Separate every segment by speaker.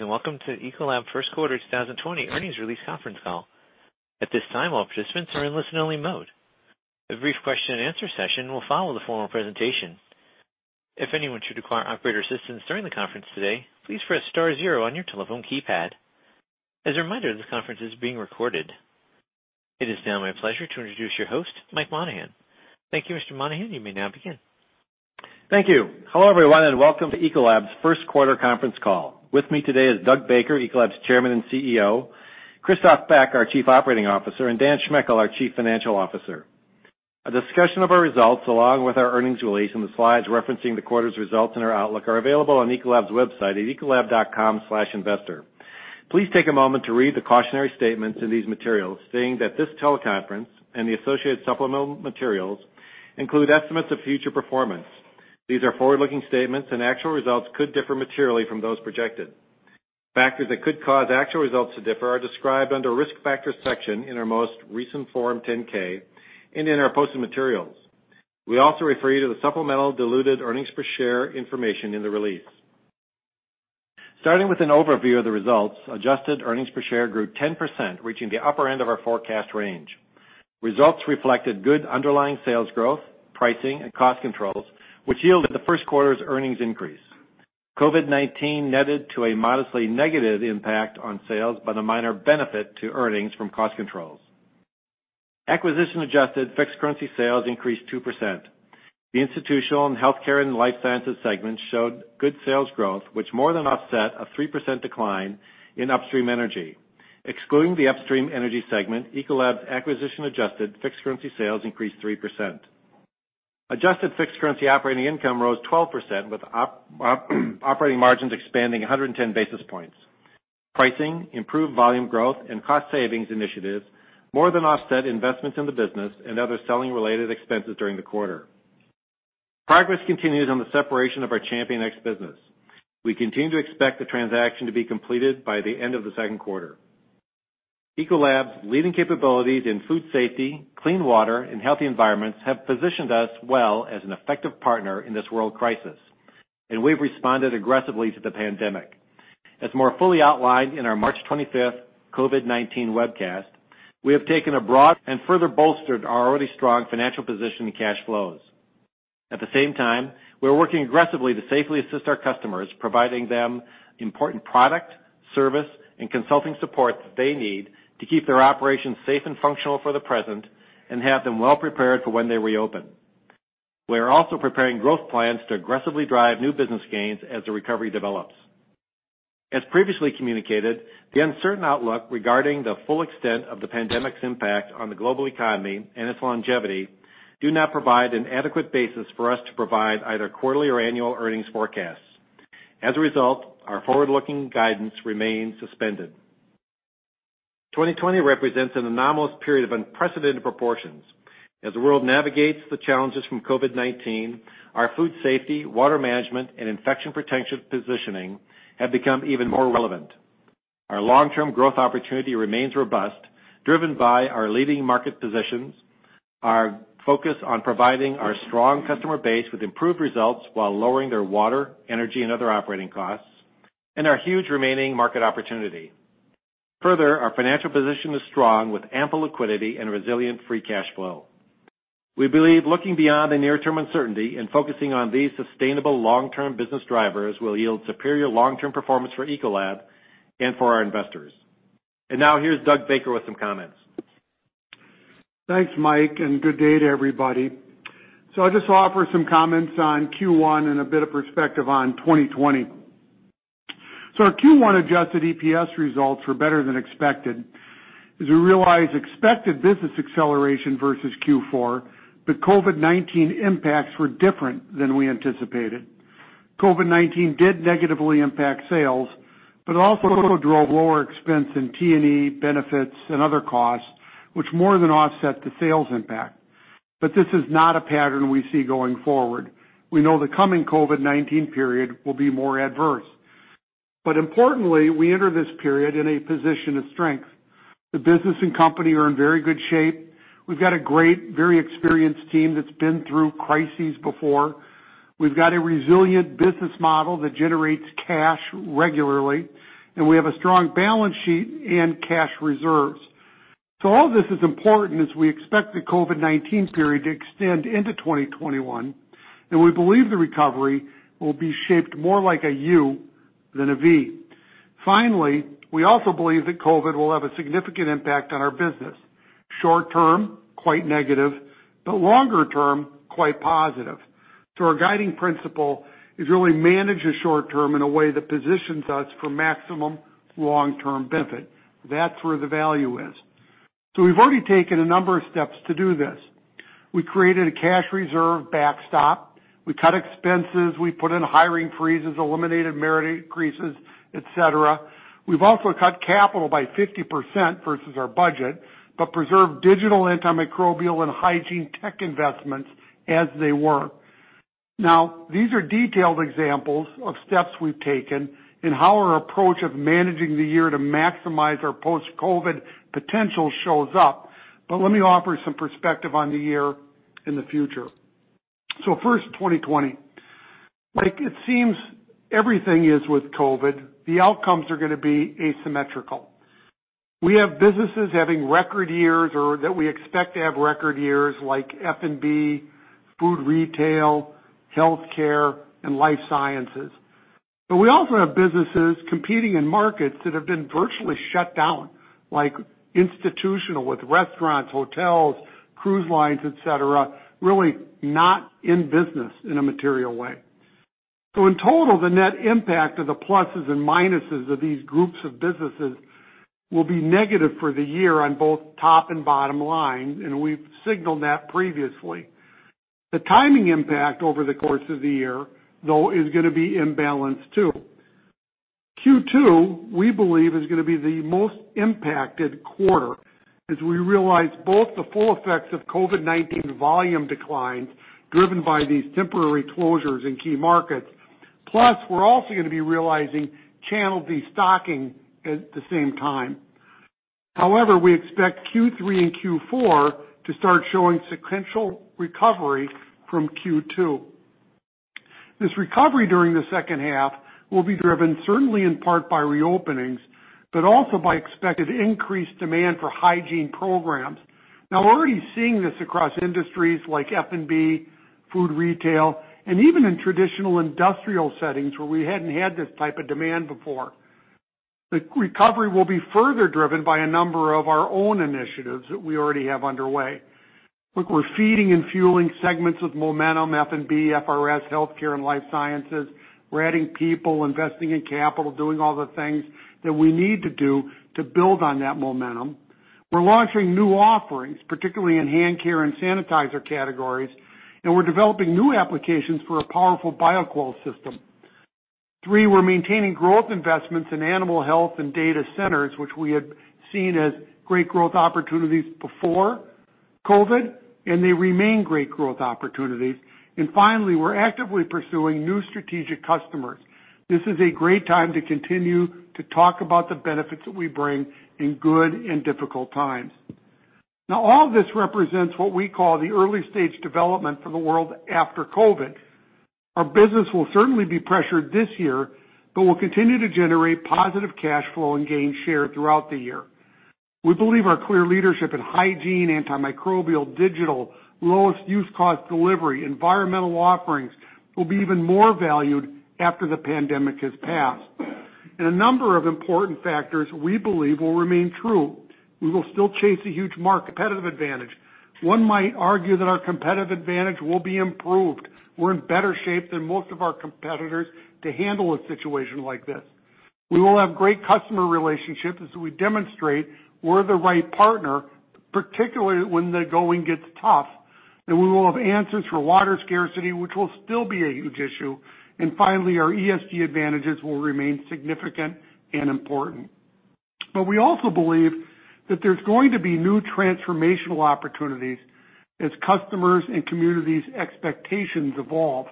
Speaker 1: Welcome to Ecolab First Quarter 2020 earnings release conference call. At this time, all participants are in listen-only mode. A brief question and answer session will follow the formal presentation. If anyone should require operator assistance during the conference today, please press star zero on your telephone keypad. As a reminder, this conference is being recorded. It is now my pleasure to introduce your host, Mike Monahan. Thank you, Mr. Monahan. You may now begin.
Speaker 2: Thank you. Hello, everyone, and welcome to Ecolab's first quarter conference call. With me today is Doug Baker, Ecolab's Chairman and CEO, Christophe Beck, our Chief Operating Officer, Daniel Schmechel, our Chief Financial Officer. A discussion of our results, along with our earnings release and the slides referencing the quarter's results and our outlook are available on ecolab.com/investor. Please take a moment to read the cautionary statements in these materials, saying that this teleconference and the associated supplemental materials include estimates of future performance. These are forward-looking statements. Actual results could differ materially from those projected. Factors that could cause actual results to differ are described under Risk Factors section in our most recent Form 10-K and in our posted materials. We also refer you to the supplemental diluted earnings per share information in the release. Starting with an overview of the results, adjusted earnings per share grew 10%, reaching the upper end of our forecast range. Results reflected good underlying sales growth, pricing, and cost controls, which yielded the first quarter's earnings increase. COVID-19 netted to a modestly negative impact on sales, but a minor benefit to earnings from cost controls. Acquisition-adjusted fixed currency sales increased 2%. The institutional and healthcare and life sciences segments showed good sales growth, which more than offset a 3% decline in upstream energy. Excluding the upstream energy segment, Ecolab's acquisition-adjusted fixed currency sales increased 3%. Adjusted fixed currency operating income rose 12%, with operating margins expanding 110 basis points. Pricing, improved volume growth, and cost savings initiatives more than offset investments in the business and other selling-related expenses during the quarter. Progress continues on the separation of our ChampionX business. We continue to expect the transaction to be completed by the end of the second quarter. Ecolab's leading capabilities in food safety, clean water, and healthy environments have positioned us well as an effective partner in this world crisis, and we've responded aggressively to the pandemic. As more fully outlined in our March 25th COVID-19 webcast, we have taken a broad and further bolstered our already strong financial position and cash flows. At the same time, we are working aggressively to safely assist our customers, providing them important product, service, and consulting support that they need to keep their operations safe and functional for the present and have them well-prepared for when they reopen. We are also preparing growth plans to aggressively drive new business gains as the recovery develops. As previously communicated, the uncertain outlook regarding the full extent of the pandemic's impact on the global economy and its longevity do not provide an adequate basis for us to provide either quarterly or annual earnings forecasts. As a result, our forward-looking guidance remains suspended. 2020 represents an anomalous period of unprecedented proportions. As the world navigates the challenges from COVID-19, our food safety, water management, and infection protection positioning have become even more relevant. Our long-term growth opportunity remains robust, driven by our leading market positions, our focus on providing our strong customer base with improved results while lowering their water, energy, and other operating costs, and our huge remaining market opportunity. Further, our financial position is strong with ample liquidity and resilient free cash flow. We believe looking beyond the near-term uncertainty and focusing on these sustainable long-term business drivers will yield superior long-term performance for Ecolab and for our investors. Now here's Doug Baker with some comments.
Speaker 3: Thanks, Mike. Good day to everybody. I'll just offer some comments on Q1 and a bit of perspective on 2020. Our Q1 adjusted EPS results were better than expected as we realized expected business acceleration versus Q4. COVID-19 impacts were different than we anticipated. COVID-19 did negatively impact sales. It also drove lower expense in T&E benefits and other costs, which more than offset the sales impact. This is not a pattern we see going forward. We know the coming COVID-19 period will be more adverse. Importantly, we enter this period in a position of strength. The business and company are in very good shape. We've got a great, very experienced team that's been through crises before. We've got a resilient business model that generates cash regularly, and we have a strong balance sheet and cash reserves. All this is important as we expect the COVID-19 period to extend into 2021, and we believe the recovery will be shaped more like a U than a V. Finally, we also believe that COVID will have a significant impact on our business, short-term, quite negative, but longer-term, quite positive. Our guiding principle is really manage the short-term in a way that positions us for maximum long-term benefit. That's where the value is. We've already taken a number of steps to do this. We created a cash reserve backstop. We cut expenses. We put in hiring freezes, eliminated merit increases, et cetera. We've also cut capital by 50% versus our budget, but preserved digital, antimicrobial, and hygiene tech investments as they were. These are detailed examples of steps we've taken and how our approach of managing the year to maximize our post-COVID potential shows up. Let me offer some perspective on the year in the future. So first, 2020. Like it seems everything is with COVID-19, the outcomes are going to be asymmetrical. We have businesses having record years or that we expect to have record years like F&B, food retail, healthcare, and life sciences. We also have businesses competing in markets that have been virtually shut down, like institutional, with restaurants, hotels, cruise lines, et cetera, really not in business in a material way. In total, the net impact of the pluses and minuses of these groups of businesses will be negative for the year on both top and bottom line, and we've signaled that previously. The timing impact over the course of the year, though, is going to be imbalanced, too. Q2, we believe, is going to be the most impacted quarter as we realize both the full effects of COVID-19 volume declines driven by these temporary closures in key markets. We're also going to be realizing channel destocking at the same time. We expect Q3 and Q4 to start showing sequential recovery from Q2. This recovery during the second half will be driven certainly in part by reopenings, but also by expected increased demand for hygiene programs. We're already seeing this across industries like F&B, food retail, and even in traditional industrial settings where we hadn't had this type of demand before. The recovery will be further driven by a number of our own initiatives that we already have underway. Look, we're feeding and fueling segments with momentum, F&B, FRS, healthcare, and life sciences. We're adding people, investing in capital, doing all the things that we need to do to build on that momentum. We're launching new offerings, particularly in hand care and sanitizer categories, and we're developing new applications for a powerful Bioquell system. Three, we're maintaining growth investments in animal health and data centers, which we had seen as great growth opportunities before COVID-19, and they remain great growth opportunities. Finally, we're actively pursuing new strategic customers. This is a great time to continue to talk about the benefits that we bring in good and difficult times. Now, all of this represents what we call the early-stage development for the world after COVID-19. Our business will certainly be pressured this year, but we'll continue to generate positive cash flow and gain share throughout the year. We believe our clear leadership in hygiene, antimicrobial, digital, lowest use cost delivery, environmental offerings will be even more valued after the pandemic has passed. A number of important factors we believe will remain true. We will still chase a huge market, competitive advantage. One might argue that our competitive advantage will be improved. We're in better shape than most of our competitors to handle a situation like this. We will have great customer relationships as we demonstrate we're the right partner, particularly when the going gets tough. We will have answers for water scarcity, which will still be a huge issue. Finally, our ESG advantages will remain significant and important. We also believe that there's going to be new transformational opportunities as customers' and communities' expectations evolve,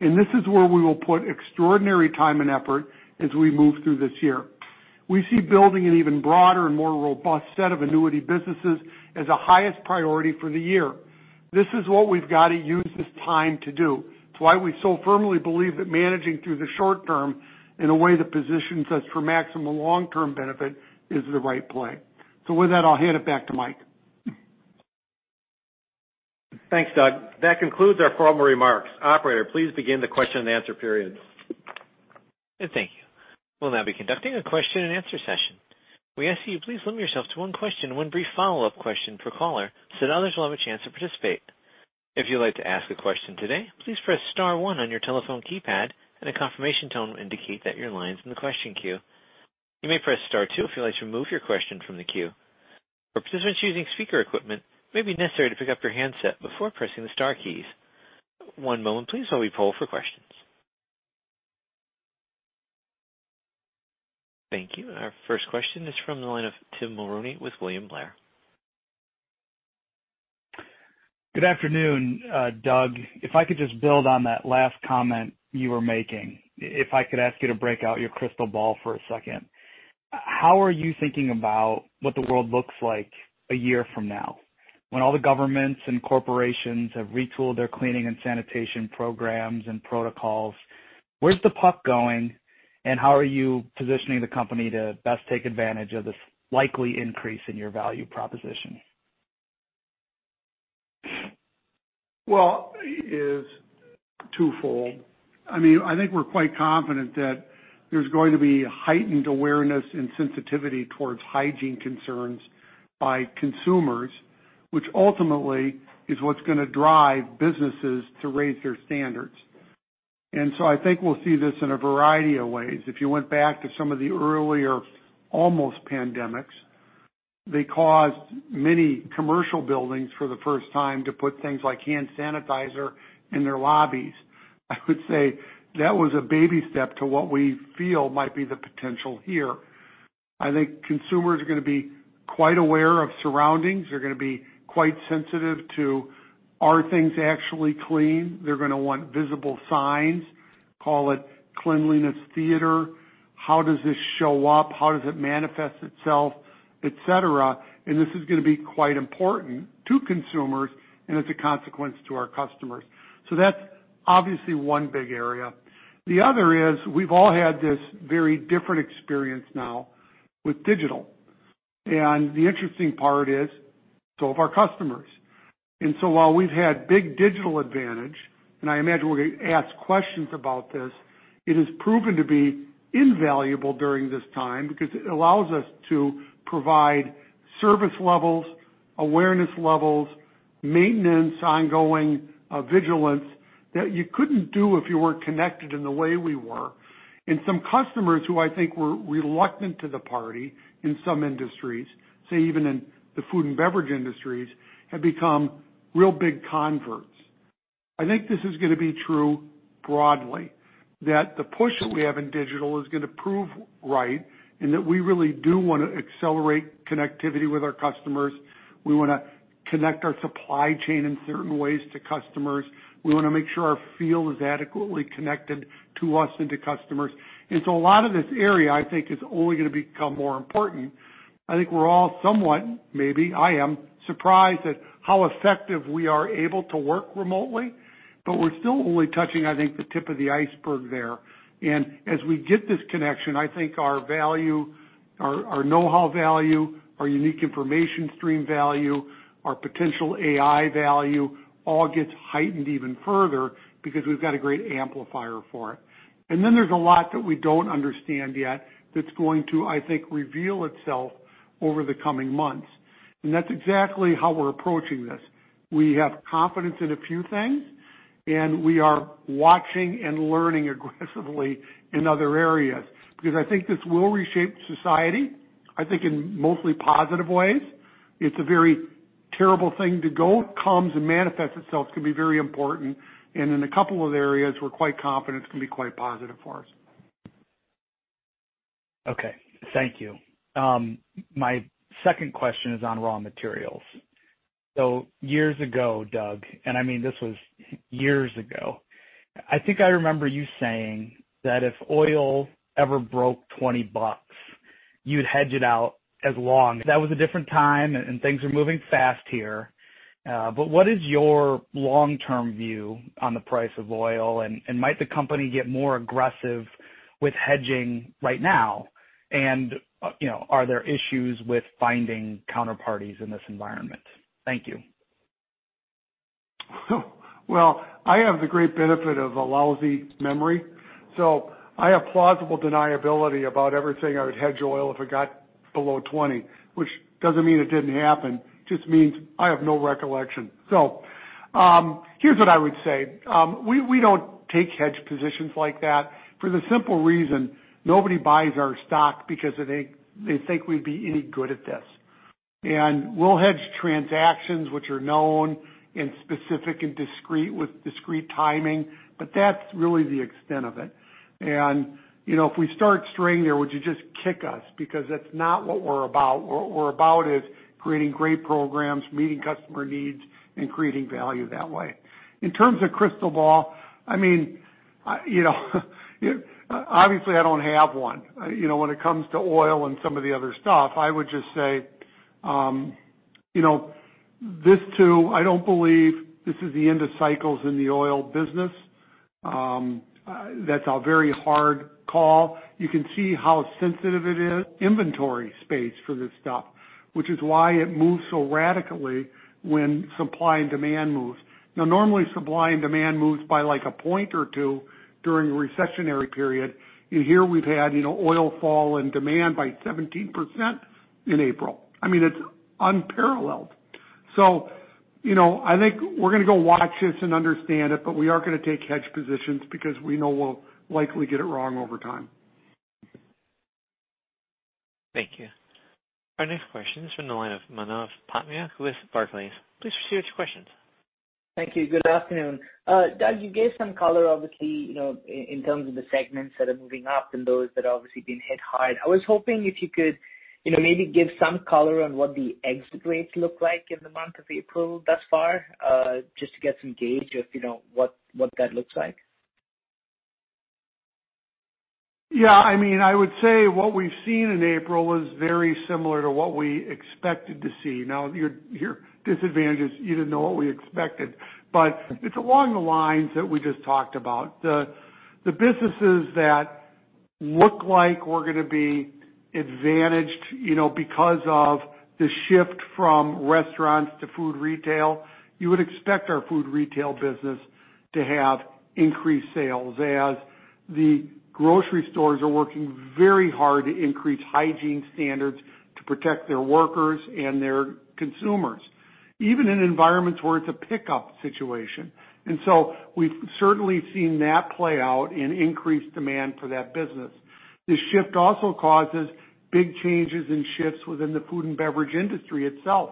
Speaker 3: and this is where we will put extraordinary time and effort as we move through this year. We see building an even broader and more robust set of annuity businesses as a highest priority for the year. This is what we've got to use this time to do. It's why we so firmly believe that managing through the short term in a way that positions us for maximum long-term benefit is the right play. With that, I'll hand it back to Mike.
Speaker 2: Thanks, Doug. That concludes our formal remarks. Operator, please begin the question and answer period.
Speaker 1: Thank you. We'll now be conducting a question and answer session. We ask that you please limit yourself to one question and one brief follow-up question per caller so that others will have a chance to participate. If you'd like to ask a question today, please press star one on your telephone keypad and a confirmation tone will indicate that your line's in the question queue. You may press star two if you'd like to remove your question from the queue. For participants using speaker equipment, it may be necessary to pick up your handset before pressing the star keys. One moment please while we poll for questions. Thank you. Our first question is from the line of Tim Mulrooney with William Blair.
Speaker 4: Good afternoon, Doug. If I could just build on that last comment you were making. If I could ask you to break out your crystal ball for a second. How are you thinking about what the world looks like a year from now when all the governments and corporations have retooled their cleaning and sanitation programs and protocols? Where's the puck going, and how are you positioning the company to best take advantage of this likely increase in your value proposition?
Speaker 3: Well, it is twofold. I think we're quite confident that there's going to be heightened awareness and sensitivity towards hygiene concerns by consumers, which ultimately is what's going to drive businesses to raise their standards. I think we'll see this in a variety of ways. If you went back to some of the earlier almost pandemics, they caused many commercial buildings for the first time to put things like hand sanitizer in their lobbies. I would say that was a baby step to what we feel might be the potential here. I think consumers are going to be quite aware of surroundings. They're going to be quite sensitive to are things actually clean. They're going to want visible signs. Call it cleanliness theater. How does this show up? How does it manifest itself, et cetera? This is going to be quite important to consumers, and it's a consequence to our customers. That's obviously one big area. The other is, we've all had this very different experience now with digital. The interesting part is, so have our customers. While we've had big digital advantage, and I imagine we're going to get asked questions about this, it has proven to be invaluable during this time because it allows us to provide service levels, awareness levels, maintenance, ongoing vigilance that you couldn't do if you weren't connected in the way we were. Some customers who I think were reluctant to the party in some industries, say even in the food and beverage industries, have become real big converts. I think this is going to be true broadly, that the push that we have in digital is going to prove right, and that we really do want to accelerate connectivity with our customers. We want to connect our supply chain in certain ways to customers. We want to make sure our field is adequately connected to us and to customers. A lot of this area, I think, is only going to become more important. I think we're all somewhat, maybe I am, surprised at how effective we are able to work remotely, but we're still only touching, I think, the tip of the iceberg there. As we get this connection, I think our know-how value, our unique information stream value, our potential AI value, all gets heightened even further because we've got a great amplifier for it. There's a lot that we don't understand yet that's going to, I think, reveal itself over the coming months. That's exactly how we're approaching this. We have confidence in a few things, and we are watching and learning aggressively in other areas, because I think this will reshape society, I think in mostly positive ways. It's a very terrible thing, comes and manifests itself, can be very important. In a couple of areas, we're quite confident it's going to be quite positive for us.
Speaker 4: Okay. Thank you. My second question is on raw materials. Years ago, Doug, and I mean, this was years ago, I think I remember you saying that if oil ever broke $20, you'd hedge it out as long. That was a different time, and things are moving fast here. What is your long-term view on the price of oil, and might the company get more aggressive with hedging right now? Are there issues with finding counterparties in this environment? Thank you.
Speaker 3: Well, I have the great benefit of a lousy memory, so I have plausible deniability about everything. I would hedge oil if it got below $20, which doesn't mean it didn't happen, just means I have no recollection. Here's what I would say. We don't take hedge positions like that for the simple reason nobody buys our stock because they think we'd be any good at this. We'll hedge transactions which are known and specific and discrete with discrete timing, but that's really the extent of it. If we start straying there, would you just kick us? That's not what we're about. What we're about is creating great programs, meeting customer needs, and creating value that way. In terms of crystal ball, I mean, obviously, I don't have one. When it comes to oil and some of the other stuff, I would just say, I don't believe this is the end of cycles in the oil business. That's a very hard call. You can see how sensitive it is, inventory space for this stuff, which is why it moves so radically when supply and demand moves. Normally, supply and demand moves by like a point or two during a recessionary period. Here we've had oil fall in demand by 17% in April. I mean, it's unparalleled. I think we're going to go watch this and understand it, but we aren't going to take hedge positions because we know we'll likely get it wrong over time.
Speaker 1: Thank you. Our next question is from the line of Manav Patnaik with Barclays. Please proceed with your questions.
Speaker 5: Thank you. Good afternoon. Doug, you gave some color, obviously, in terms of the segments that are moving up and those that are obviously being hit hard. I was hoping if you could maybe give some color on what the exit rates look like in the month of April thus far, just to get some gauge of what that looks like.
Speaker 3: Yeah, I would say what we've seen in April is very similar to what we expected to see. Now, your disadvantage is you didn't know what we expected. It's along the lines that we just talked about. The businesses that look like we're going to be advantaged because of the shift from restaurants to food retail, you would expect our Food Retail Services business to have increased sales, as the grocery stores are working very hard to increase hygiene standards to protect their workers and their consumers, even in environments where it's a pickup situation. We've certainly seen that play out in increased demand for that business. The shift also causes big changes and shifts within the food and beverage industry itself,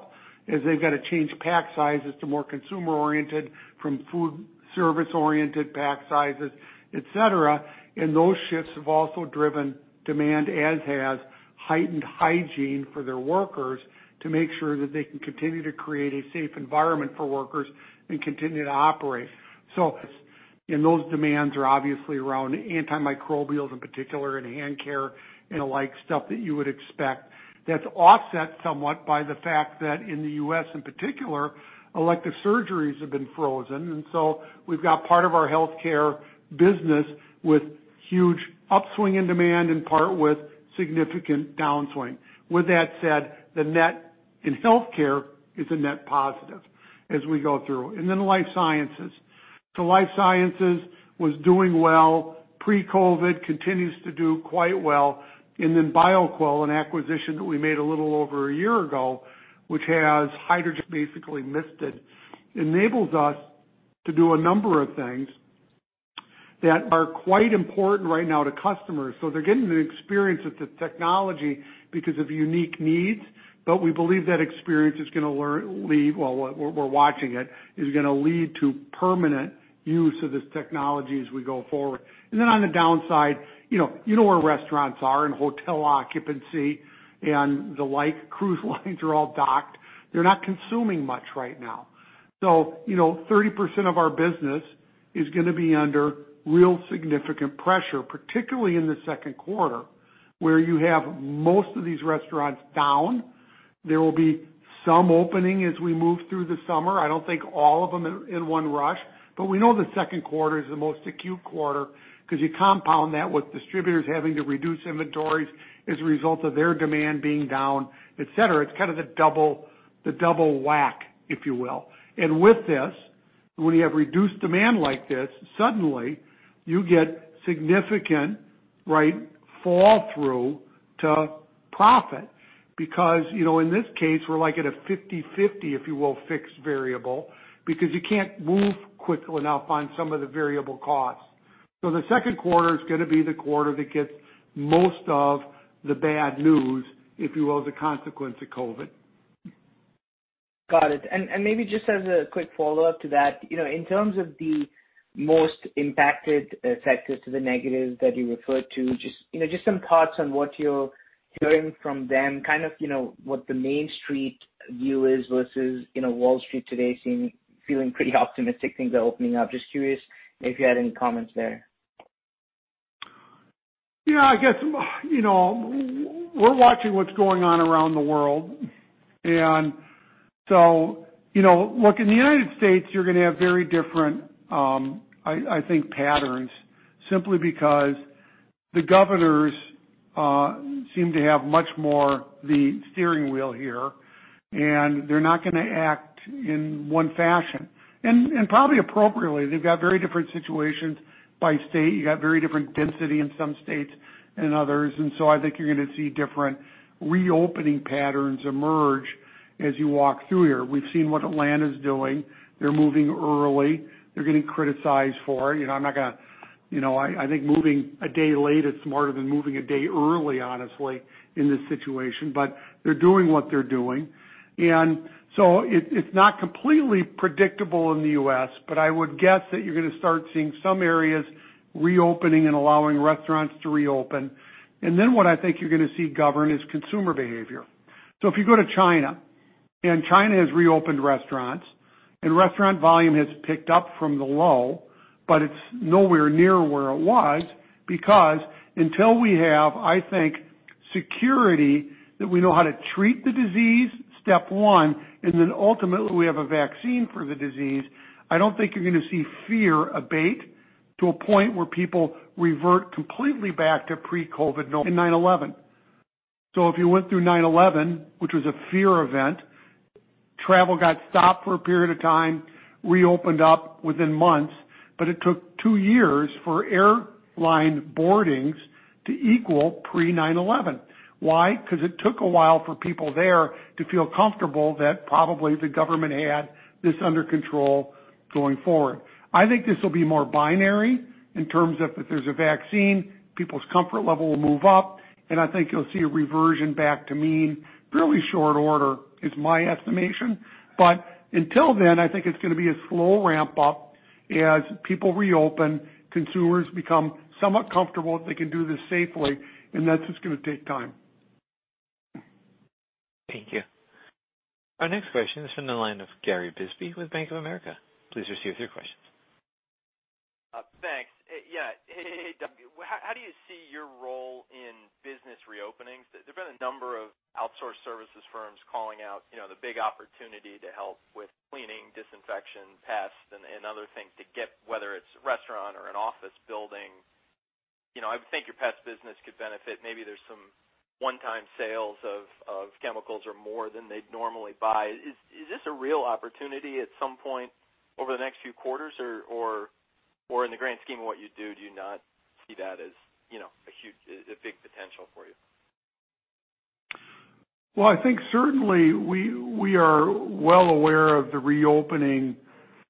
Speaker 3: as they've got to change pack sizes to more consumer-oriented from food service-oriented pack sizes, et cetera. Those shifts have also driven demand, as has heightened hygiene for their workers to make sure that they can continue to create a safe environment for workers and continue to operate. Those demands are obviously around antimicrobials in particular, and hand care, and the like, stuff that you would expect. That's offset somewhat by the fact that in the U.S., in particular, elective surgeries have been frozen. We've got part of our healthcare business with huge upswing in demand in part with significant downswing. With that said, the net in healthcare is a net positive as we go through. Life sciences. Life sciences was doing well pre-COVID-19, continues to do quite well. Bioquell, an acquisition that we made a little over one year ago, which has hydrogen basically mist it, enables us to do a number of things that are quite important right now to customers. They're getting an experience with the technology because of unique needs, but we believe that experience is going to lead, well, we're watching it, is going to lead to permanent use of this technology as we go forward. On the downside, you know where restaurants are, and hotel occupancy, and the like. Cruise lines are all docked. They're not consuming much right now. 30% of our business is going to be under real significant pressure, particularly in the second quarter, where you have most of these restaurants down. There will be some opening as we move through the summer. I don't think all of them in one rush. We know the second quarter is the most acute quarter because you compound that with distributors having to reduce inventories as a result of their demand being down, et cetera. It's kind of the double whack, if you will. With this, when you have reduced demand like this, suddenly you get significant fall through to profit. In this case, we're like at a 50/50, if you will, fixed variable, because you can't move quickly enough on some of the variable costs. The second quarter is going to be the quarter that gets most of the bad news, if you will, as a consequence of COVID-19.
Speaker 5: Got it. Maybe just as a quick follow-up to that. In terms of the most impacted sectors to the negative that you referred to, just some thoughts on what you're hearing from them, kind of what the Main Street view is versus Wall Street today feeling pretty optimistic things are opening up. Just curious if you had any comments there.
Speaker 3: Yeah, I guess, we're watching what's going on around the world. Look, in the United States, you're going to have very different, I think, patterns simply because the governors seem to have much more the steering wheel here, and they're not going to act in one fashion. Probably appropriately. They've got very different situations by state. You got very different density in some states than others. I think you're going to see different reopening patterns emerge as you walk through here. We've seen what Atlanta's doing. They're moving early. They're getting criticized for it. I think moving a day late is smarter than moving a day early, honestly, in this situation. They're doing what they're doing. It's not completely predictable in the U.S., but I would guess that you're going to start seeing some areas reopening and allowing restaurants to reopen. What I think you're going to see govern is consumer behavior. If you go to China has reopened restaurants, and restaurant volume has picked up from the low, but it's nowhere near where it was, because until we have, I think, security that we know how to treat the disease, step one, and then ultimately we have a vaccine for the disease, I don't think you're going to see fear abate to a point where people revert completely back to pre-COVID normal. 9/11. If you went through 9/11, which was a fear event, travel got stopped for a period of time, reopened up within months, but it took two years for airline boardings to equal pre-9/11. Why? Because it took a while for people there to feel comfortable that probably the government had this under control going forward. I think this will be more binary in terms of if there's a vaccine, people's comfort level will move up, and I think you'll see a reversion back to mean, really short order is my estimation. Until then, I think it's going to be a slow ramp-up as people reopen, consumers become somewhat comfortable that they can do this safely, and that's just going to take time.
Speaker 1: Thank you. Our next question is from the line of Gary Bisbee with Bank of America. Please proceed with your questions.
Speaker 6: Thanks. Yeah. Hey, Doug, how do you see your role in business reopenings? There've been a number of outsource services firms calling out the big opportunity to help with cleaning, disinfection, pest, and other things to get, whether it's a restaurant or an office building. I would think your pest business could benefit. Maybe there's some one-time sales of chemicals or more than they'd normally buy. Is this a real opportunity at some point over the next few quarters? In the grand scheme of what you do you not see that as a big potential for you?
Speaker 3: Well, I think certainly we are well aware of the reopening,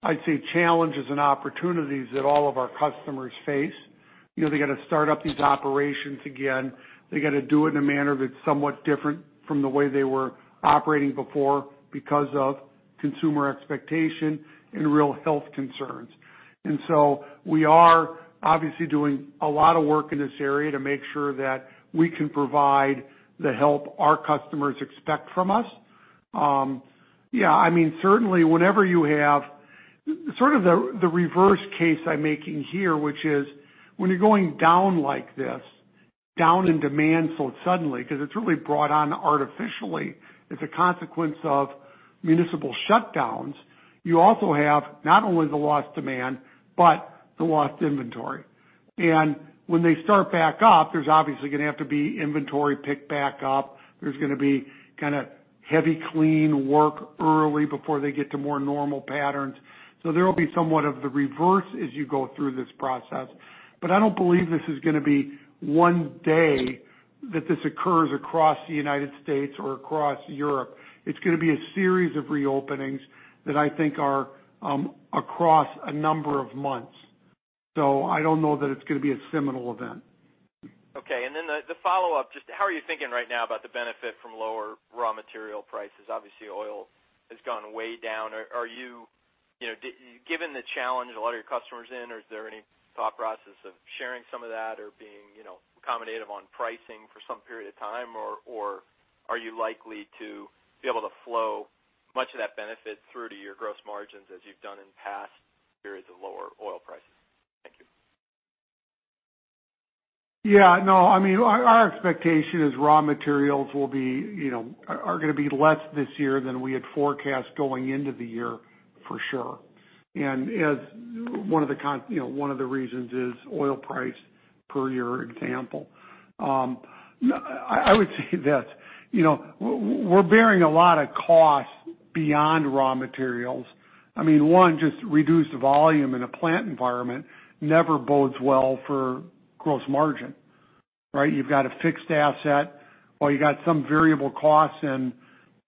Speaker 3: I'd say, challenges and opportunities that all of our customers face. They got to start up these operations again. They got to do it in a manner that's somewhat different from the way they were operating before because of consumer expectation and real health concerns. We are obviously doing a lot of work in this area to make sure that we can provide the help our customers expect from us. Yeah. Certainly, whenever you have sort of the reverse case I'm making here, which is when you're going down like this, down in demand so suddenly, because it's really brought on artificially as a consequence of municipal shutdowns, you also have not only the lost demand, but the lost inventory. When they start back up, there's obviously going to have to be inventory picked back up. There's going to be kind of heavy clean work early before they get to more normal patterns. There will be somewhat of the reverse as you go through this process. I don't believe this is going to be one day that this occurs across the United States or across Europe. It's going to be a series of reopenings that I think are across a number of months. I don't know that it's going to be a seminal event.
Speaker 6: Okay. Then the follow-up, just how are you thinking right now about the benefit from lower raw material prices? Obviously, oil has gone way down. Given the challenge a lot of your customers in, is there any thought process of sharing some of that or being accommodative on pricing for some period of time, or are you likely to be able to flow much of that benefit through to your gross margins as you've done in past periods of lower oil prices? Thank you.
Speaker 3: Yeah. No, our expectation is raw materials are going to be less this year than we had forecast going into the year for sure. One of the reasons is oil price, per your example. I would say this, we're bearing a lot of costs beyond raw materials. One, just reduced volume in a plant environment never bodes well for gross margin. Right? You've got a fixed asset or you got some variable costs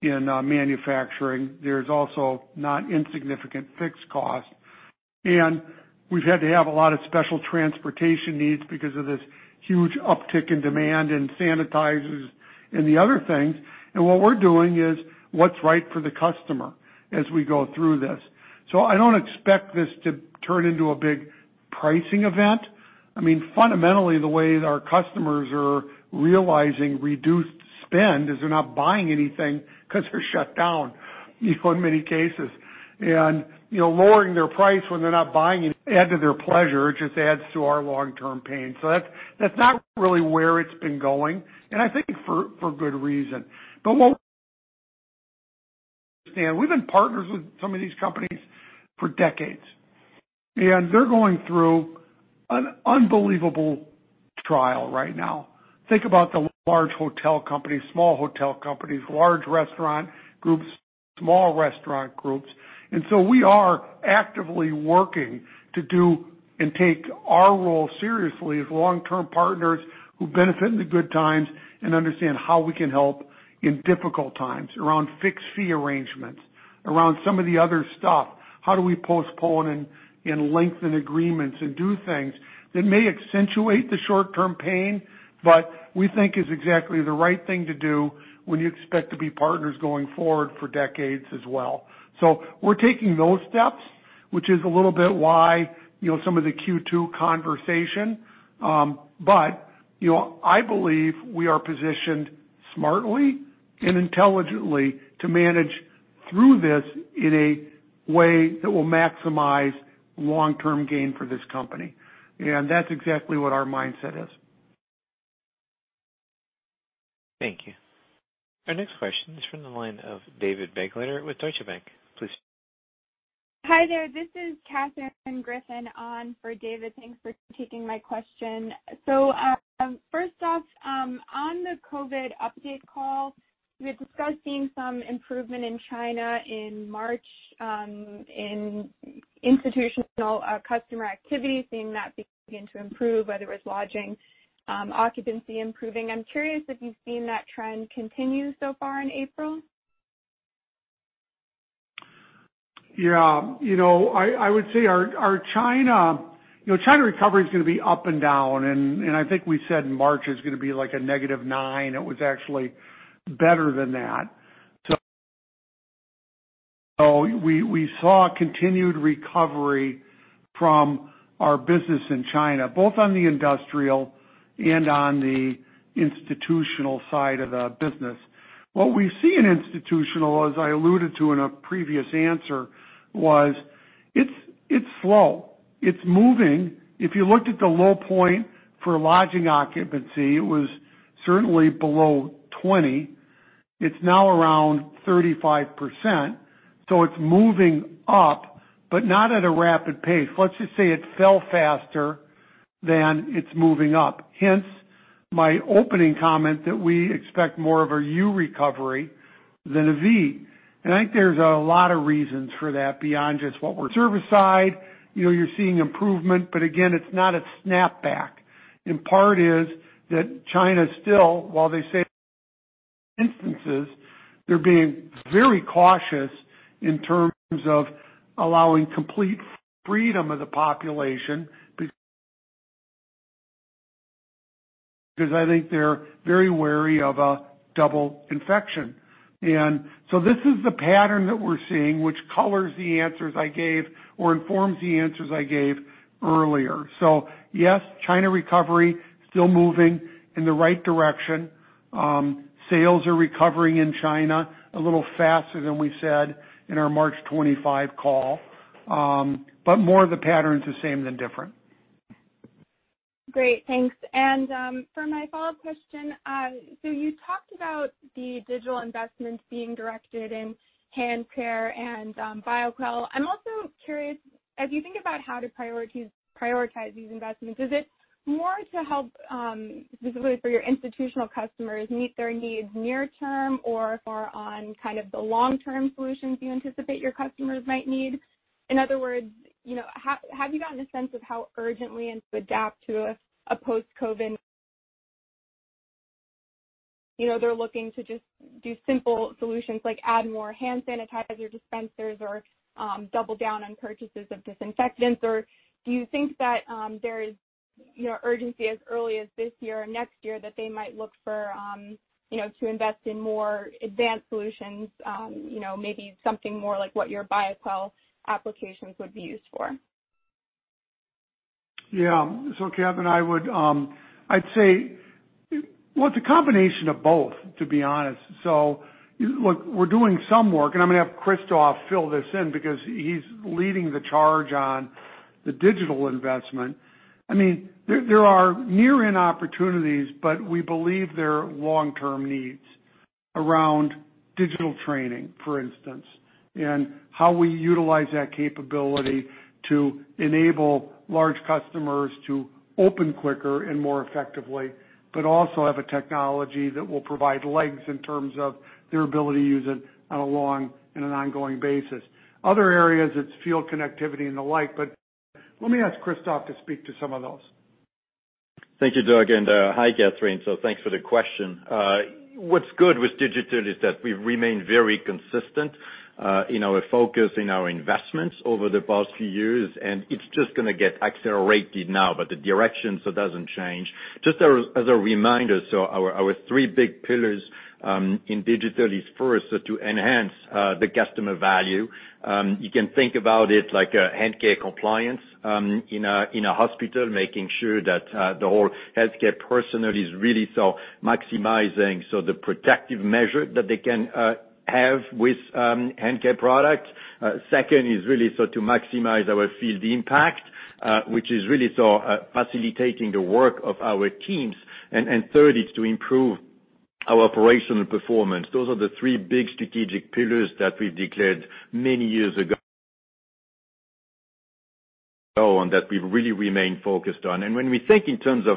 Speaker 3: in manufacturing. There's also not insignificant fixed costs. We've had to have a lot of special transportation needs because of this huge uptick in demand in sanitizers and the other things. What we're doing is what's right for the customer as we go through this. I don't expect this to turn into a big pricing event. Fundamentally, the way that our customers are realizing reduced spend is they're not buying anything because they're shut down in many cases. Lowering their price when they're not buying add to their pleasure, it just adds to our long-term pain. That's not really where it's been going, and I think for good reason. We've been partners with some of these companies for decades, and they're going through an unbelievable trial right now. Think about the large hotel companies, small hotel companies, large restaurant groups, small restaurant groups. We are actively working to do and take our role seriously as long-term partners who benefit in the good times and understand how we can help in difficult times around fixed fee arrangements, around some of the other stuff. How do we postpone and lengthen agreements and do things that may accentuate the short-term pain, but we think is exactly the right thing to do when you expect to be partners going forward for decades as well. We're taking those steps, which is a little bit why some of the Q2 conversation. I believe we are positioned smartly and intelligently to manage through this in a way that will maximize long-term gain for this company. That's exactly what our mindset is.
Speaker 1: Thank you. Our next question is from the line of David Begleiter with Deutsche Bank. Please-
Speaker 7: Hi there. This is Kathryn Griffin on for David. Thanks for taking my question. First off, on the COVID update call, you had discussed seeing some improvement in China in March, in institutional customer activity, seeing that begin to improve, whether it's lodging, occupancy improving. I'm curious if you've seen that trend continue so far in April.
Speaker 3: Yeah. I would say our China recovery is going to be up and down. I think we said March is going to be like a negative nine. It was actually better than that. We saw continued recovery from our business in China, both on the industrial and on the institutional side of the business. What we see in institutional, as I alluded to in a previous answer, was it's slow. It's moving. If you looked at the low point for lodging occupancy, it was certainly below 20. It's now around 35%. It's moving up, but not at a rapid pace. Let's just say it fell faster than it's moving up, hence my opening comment that we expect more of a U recovery than a V. I think there's a lot of reasons for that beyond just service side, you're seeing improvement, but again, it's not a snapback. Part is that China is still, while they say instances, they're being very cautious in terms of allowing complete freedom of the population because I think they're very wary of a double infection. This is the pattern that we're seeing, which colors the answers I gave or informs the answers I gave earlier. Yes, China recovery still moving in the right direction. Sales are recovering in China a little faster than we said in our March 25 call. But more of the patterns are same than different.
Speaker 7: Great. Thanks. For my follow-up question, you talked about the digital investments being directed in hand care and Bioquell. I'm also curious, as you think about how to prioritize these investments, is it more to help, specifically for your institutional customers, meet their needs near term or far on kind of the long-term solutions you anticipate your customers might need? In other words, have you gotten a sense of how urgently and to adapt to a post-COVID-19 They're looking to just do simple solutions like add more hand sanitizer dispensers or double down on purchases of disinfectants. Do you think that there is urgency as early as this year or next year that they might look to invest in more advanced solutions, maybe something more like what your Bioquell applications would be used for?
Speaker 3: Kathryn, I'd say, well, it's a combination of both, to be honest. We're doing some work, and I'm going to have Christophe fill this in because he's leading the charge on the digital investment. There are near-in opportunities, but we believe there are long-term needs around digital training, for instance, and how we utilize that capability to enable large customers to open quicker and more effectively, but also have a technology that will provide legs in terms of their ability to use it on a long and an ongoing basis. Other areas, it's field connectivity and the like, but let me ask Christophe to speak to some of those.
Speaker 8: Thank you, Doug, and hi, Kathryn. Thanks for the question. What's good with digital is that we've remained very consistent in our focus in our investments over the past few years, and it's just going to get accelerated now. The direction doesn't change. Just as a reminder, our three big pillars in digital is first to enhance the customer value. You can think about it like a hand care compliance in a hospital, making sure that the whole healthcare personnel is really maximizing the protective measure that they can have with hand care product. Second is really to maximize our field impact, which is really facilitating the work of our teams. Third is to improve our operational performance. Those are the three big strategic pillars that we've declared many years ago that we've really remained focused on. When we think in terms of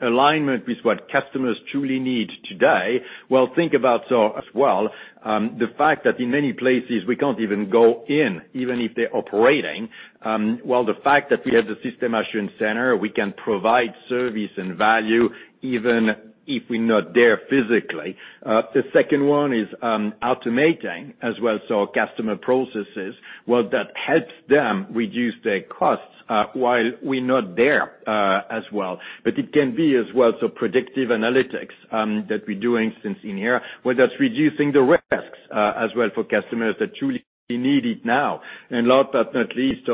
Speaker 8: alignment with what customers truly need today, well, think about as well, the fact that in many places we can't even go in, even if they're operating. The fact that we have the System Assurance Center, we can provide service and value even if we're not there physically. The second one is automating as well, customer processes. That helps them reduce their costs while we're not there as well. It can be as well, predictive analytics that we're doing since in here, whether it's reducing the risks as well for customers that truly need it now. Last but not least,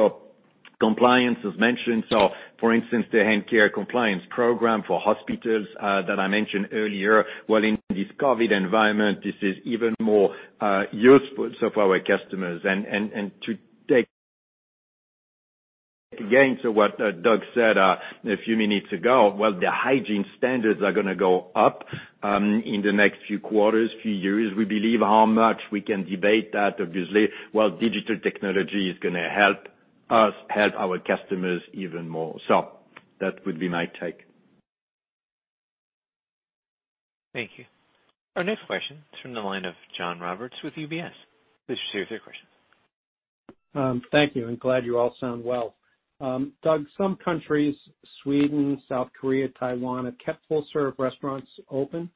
Speaker 8: compliance as mentioned. For instance, the hand care compliance program for hospitals that I mentioned earlier. Well, in this COVID-19 environment, this is even more useful for our customers. To take again to what Doug said a few minutes ago, the hygiene standards are going to go up in the next few quarters, few years. We believe how much we can debate that, obviously. Digital technology is going to help us help our customers even more. That would be my take.
Speaker 1: Thank you. Our next question is from the line of John Roberts with UBS. Please proceed with your question.
Speaker 9: Thank you. Glad you all sound well. Doug, some countries, Sweden, South Korea, Taiwan, have kept full-serve restaurants open.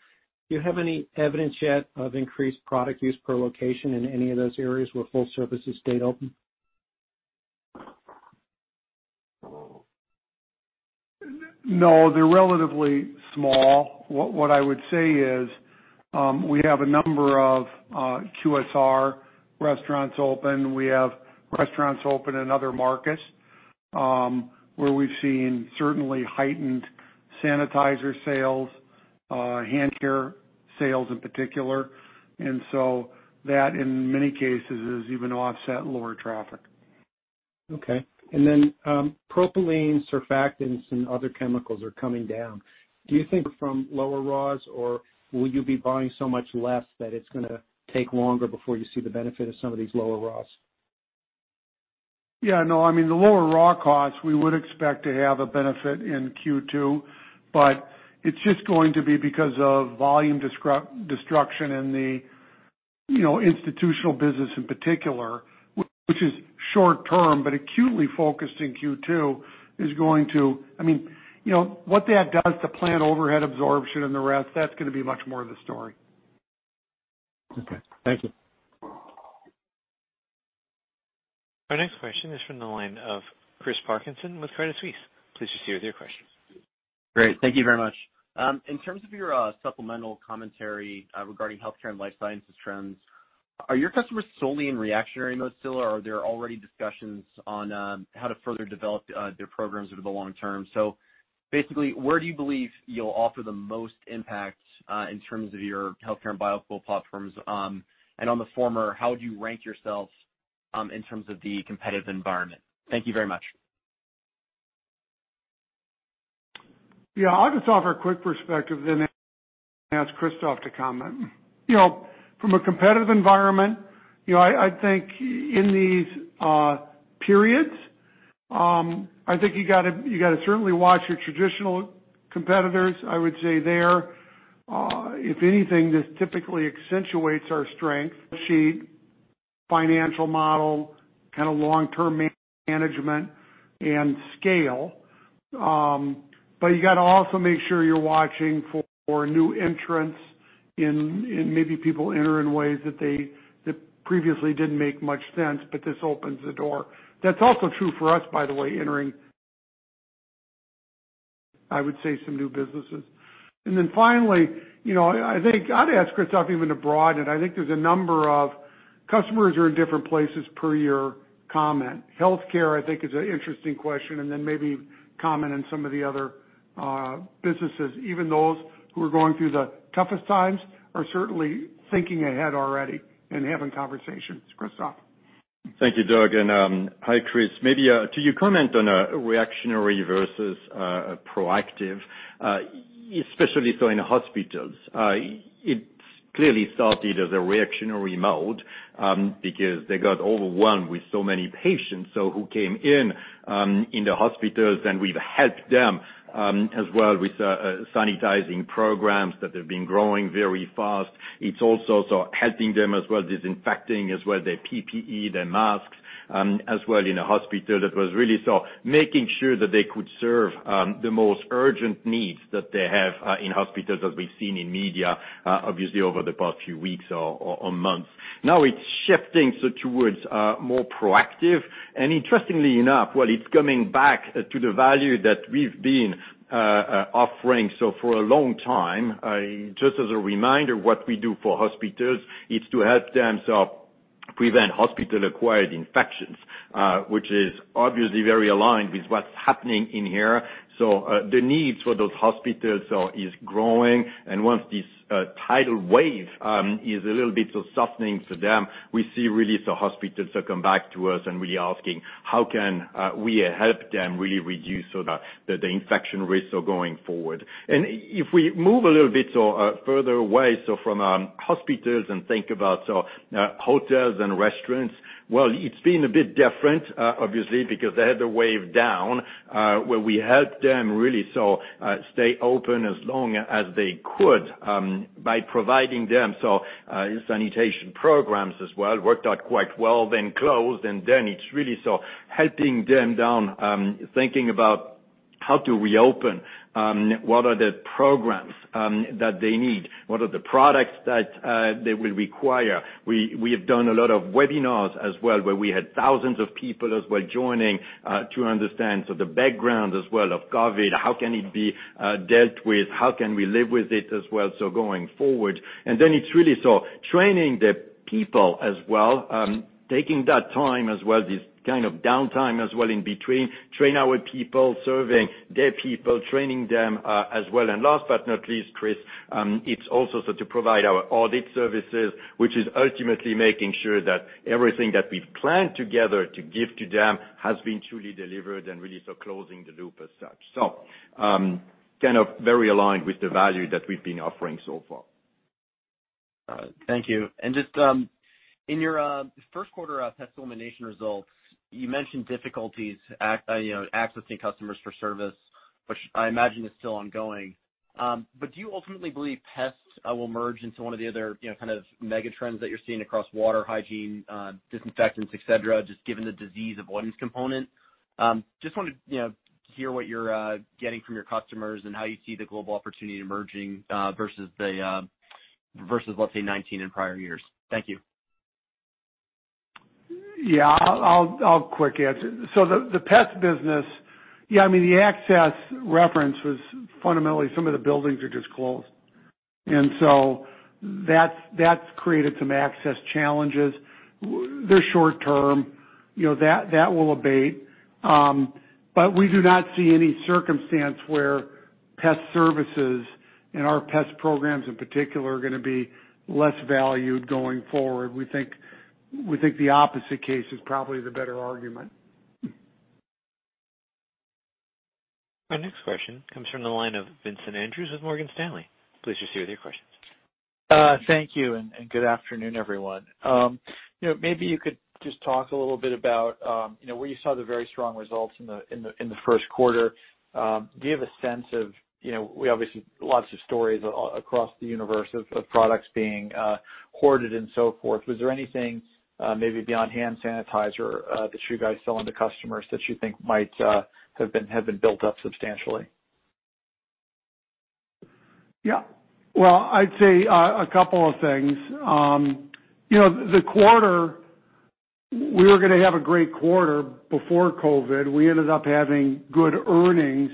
Speaker 9: Do you have any evidence yet of increased product use per location in any of those areas where full service has stayed open?
Speaker 3: No, they're relatively small. What I would say is, we have a number of QSR restaurants open. We have restaurants open in other markets, where we've seen certainly heightened sanitizer sales, hand care sales in particular. That, in many cases, has even offset lower traffic.
Speaker 9: Okay. Propylene, surfactants, and other chemicals are coming down. Do you think from lower raws or will you be buying so much less that it's going to take longer before you see the benefit of some of these lower raws?
Speaker 3: Yeah, no, the lower raw costs, we would expect to have a benefit in Q2, but it's just going to be because of volume destruction in the institutional business in particular, which is short-term, but acutely focused in Q2. What that does to plan overhead absorption and the rest, that's going to be much more the story.
Speaker 9: Okay. Thank you.
Speaker 1: Our next question is from the line of Christopher Parkinson with Credit Suisse. Please proceed with your question.
Speaker 10: Great. Thank you very much. In terms of your supplemental commentary regarding healthcare and life sciences trends, are your customers solely in reactionary mode still, or are there already discussions on how to further develop their programs over the long term? Basically, where do you believe you'll offer the most impact in terms of your healthcare and Bioquell platforms? On the former, how would you rank yourselves in terms of the competitive environment? Thank you very much.
Speaker 3: I'll just offer a quick perspective, then ask Christophe to comment. From a competitive environment, I think in these periods, I think you got to certainly watch your traditional competitors. I would say there, if anything, this typically accentuates our strength, sheet financial model, kind of long-term management and scale. You got to also make sure you're watching for new entrants, and maybe people enter in ways that previously didn't make much sense, but this opens the door. That's also true for us, by the way, entering, I would say, some new businesses. Finally, I'd ask Christophe even to broaden it. I think there's a number of customers who are in different places, per your comment. Healthcare, I think is an interesting question, and then maybe comment on some of the other businesses. Even those who are going through the toughest times are certainly thinking ahead already and having conversations. Christophe?
Speaker 8: Thank you, Doug, and hi, Chris. Maybe to your comment on reactionary versus proactive, especially so in hospitals. It clearly started as a reactionary mode, because they got overwhelmed with so many patients, so who came in the hospitals, and we've helped them, as well with sanitizing programs that have been growing very fast. It's also so helping them as well, disinfecting as well, their PPE, their masks, as well in a hospital. That was really so making sure that they could serve the most urgent needs that they have in hospitals, as we've seen in media, obviously over the past few weeks or months. Now it's shifting, so towards more proactive. Interestingly enough, while it's coming back to the value that we've been offering so for a long time, just as a reminder, what we do for hospitals, it's to help them, so prevent hospital-acquired infections, which is obviously very aligned with what's happening in here. The needs for those hospitals, so is growing. Once this tidal wave is a little bit softening to them, we see really the hospitals have come back to us and really asking how can we help them really reduce so that the infection rates are going forward. If we move a little bit, so further away, so from hospitals and think about, so hotels and restaurants, well, it's been a bit different, obviously, because they had the wave down, where we helped them really, so, stay open as long as they could, by providing them, so sanitation programs as well. Worked out quite well. Closed, it's really helping them down, thinking about how to reopen, what are the programs that they need, what are the products that they will require. We have done a lot of webinars as well, where we had thousands of people as well joining, to understand the background as well of COVID. How can it be dealt with? How can we live with it as well, going forward? It's really training the people as well, taking that time as well, this kind of downtime as well in between. Train our people, serving their people, training them as well. Last but not least, Chris, it's also so to provide our audit services, which is ultimately making sure that everything that we've planned together to give to them has been truly delivered and really so closing the loop as such. Kind of very aligned with the value that we've been offering so far.
Speaker 10: All right. Thank you. Just in your first quarter pest elimination results, you mentioned difficulties accessing customers for service, which I imagine is still ongoing. Do you ultimately believe pests will merge into one of the other kind of mega trends that you're seeing across water, hygiene, disinfectants, et cetera, just given the disease avoidance component? Just wanted to hear what you're getting from your customers and how you see the global opportunity emerging, versus, let's say, 2019 and prior years. Thank you.
Speaker 3: Yeah. I'll quick answer. The pest business, yeah, the access reference was fundamentally some of the buildings are just closed. That's created some access challenges. They're short-term. That will abate. We do not see any circumstance where pest services and our pest programs in particular are going to be less valued going forward. We think the opposite case is probably the better argument.
Speaker 1: Our next question comes from the line of Vincent Andrews with Morgan Stanley. Please proceed with your questions.
Speaker 11: Thank you. Good afternoon, everyone. Maybe you could just talk a little bit about where you saw the very strong results in the first quarter. We obviously, lots of stories across the universe of products being hoarded and so forth. Was there anything maybe beyond hand sanitizer that you guys sell into customers that you think might have been built up substantially?
Speaker 3: Yeah. Well, I'd say a couple of things. The quarter, we were going to have a great quarter before COVID. We ended up having good earnings.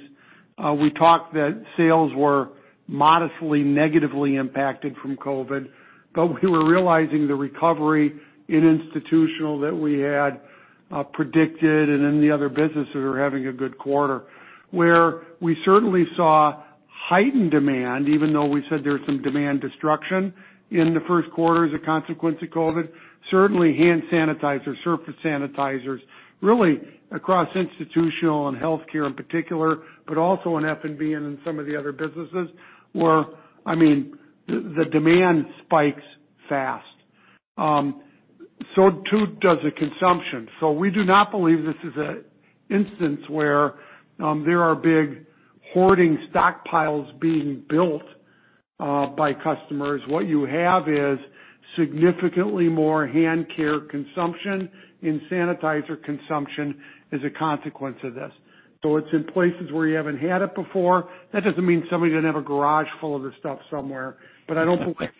Speaker 3: We talked that sales were modestly negatively impacted from COVID. We were realizing the recovery in institutional that we had predicted, and then the other businesses were having a good quarter. Where we certainly saw heightened demand, even though we said there's some demand destruction in the first quarter as a consequence of COVID. Certainly, hand sanitizers, surface sanitizers, really across institutional and healthcare in particular, but also in F&B and in some of the other businesses, where the demand spikes fast. Too does the consumption. We do not believe this is an instance where there are big hoarding stockpiles being built by customers. What you have is significantly more hand care consumption and sanitizer consumption as a consequence of this. It's in places where you haven't had it before. That doesn't mean somebody doesn't have a garage full of this stuff somewhere, but I don't believe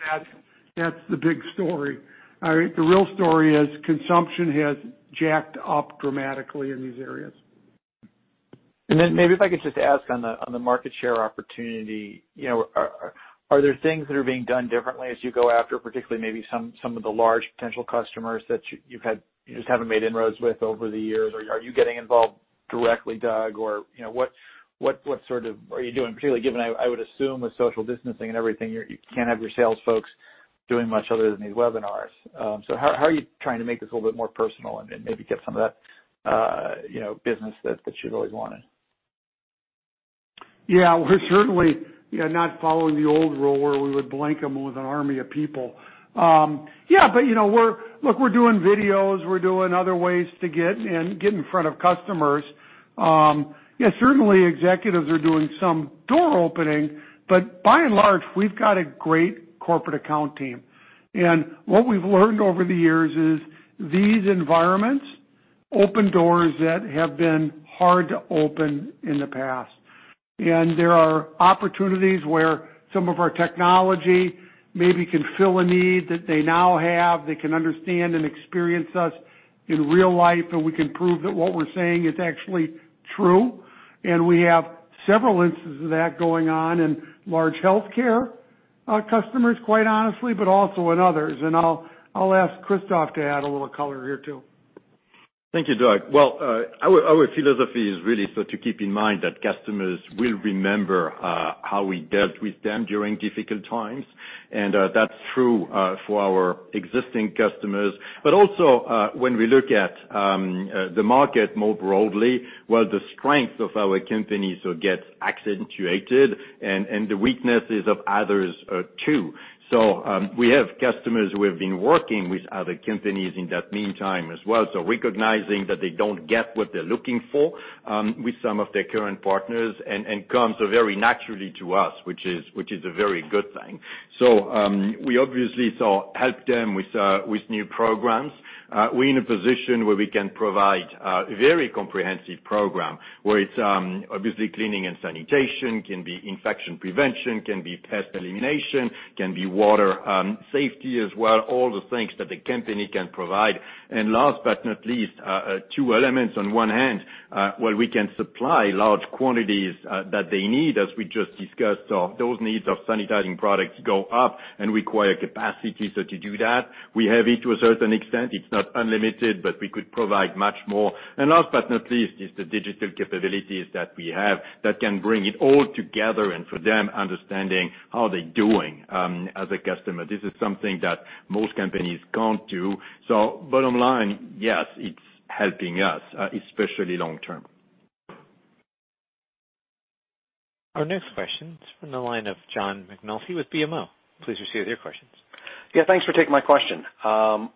Speaker 3: that's the big story. I think the real story is consumption has jacked up dramatically in these areas.
Speaker 11: Maybe if I could just ask on the market share opportunity, are there things that are being done differently as you go after, particularly maybe some of the large potential customers that you just haven't made inroads with over the years? Are you getting involved directly, Doug? What are you doing? Particularly given, I would assume with social distancing and everything, you can't have your sales folks doing much other than these webinars. How are you trying to make this a little bit more personal and maybe get some of that business that you've always wanted?
Speaker 3: We're certainly not following the old rule where we would blank them with an army of people. Look, we're doing videos, we're doing other ways to get in front of customers. Certainly executives are doing some door opening, but by and large, we've got a great corporate account team. What we've learned over the years is these environments open doors that have been hard to open in the past. There are opportunities where some of our technology maybe can fill a need that they now have. They can understand and experience us in real life, and we can prove that what we're saying is actually true. We have several instances of that going on in large healthcare customers, quite honestly, but also in others. I'll ask Christophe to add a little color here, too.
Speaker 8: Thank you, Doug. Our philosophy is really to keep in mind that customers will remember how we dealt with them during difficult times. That's true for our existing customers. Also, when we look at the market more broadly, while the strength of our company, it gets accentuated, and the weaknesses of others too. We have customers who have been working with other companies in that meantime as well. Recognizing that they don't get what they're looking for with some of their current partners and come so very naturally to us, which is a very good thing. We obviously help them with new programs. We're in a position where we can provide a very comprehensive program, where it's obviously cleaning and sanitation, can be infection prevention, can be pest elimination, can be water safety as well, all the things that the company can provide. Last but not least, two elements on one hand, while we can supply large quantities that they need, as we just discussed. Those needs of sanitizing products go up and require capacity. To do that, we have it to a certain extent. It's not unlimited, but we could provide much more. Last but not least, is the digital capabilities that we have that can bring it all together and for them, understanding how they're doing as a customer. This is something that most companies can't do. Bottom line, yes, it's helping us, especially long term.
Speaker 1: Our next question is from the line of John McNulty with BMO. Please proceed with your questions.
Speaker 12: Yeah, thanks for taking my question.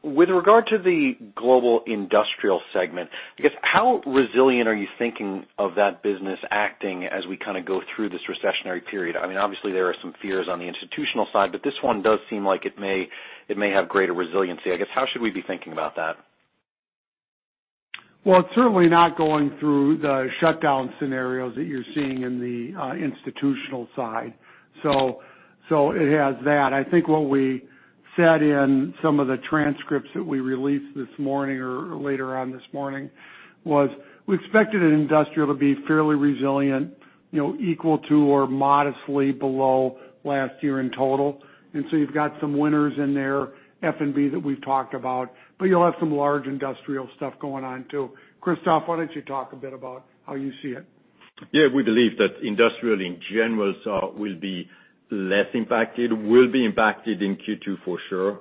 Speaker 12: With regard to the Global Industrial Segment, I guess how resilient are you thinking of that business acting as we kind of go through this recessionary period? Obviously, there are some fears on the institutional side, but this one does seem like it may have greater resiliency. I guess, how should we be thinking about that?
Speaker 3: Well, it's certainly not going through the shutdown scenarios that you're seeing in the institutional side. It has that. I think what we said in some of the transcripts that we released this morning or later on this morning, was we expected industrial to be fairly resilient, equal to or modestly below last year in total. You've got some winners in there, F&B that we've talked about, but you'll have some large industrial stuff going on, too. Christophe, why don't you talk a bit about how you see it?
Speaker 8: Yeah, we believe that industrial in general will be less impacted, will be impacted in Q2 for sure,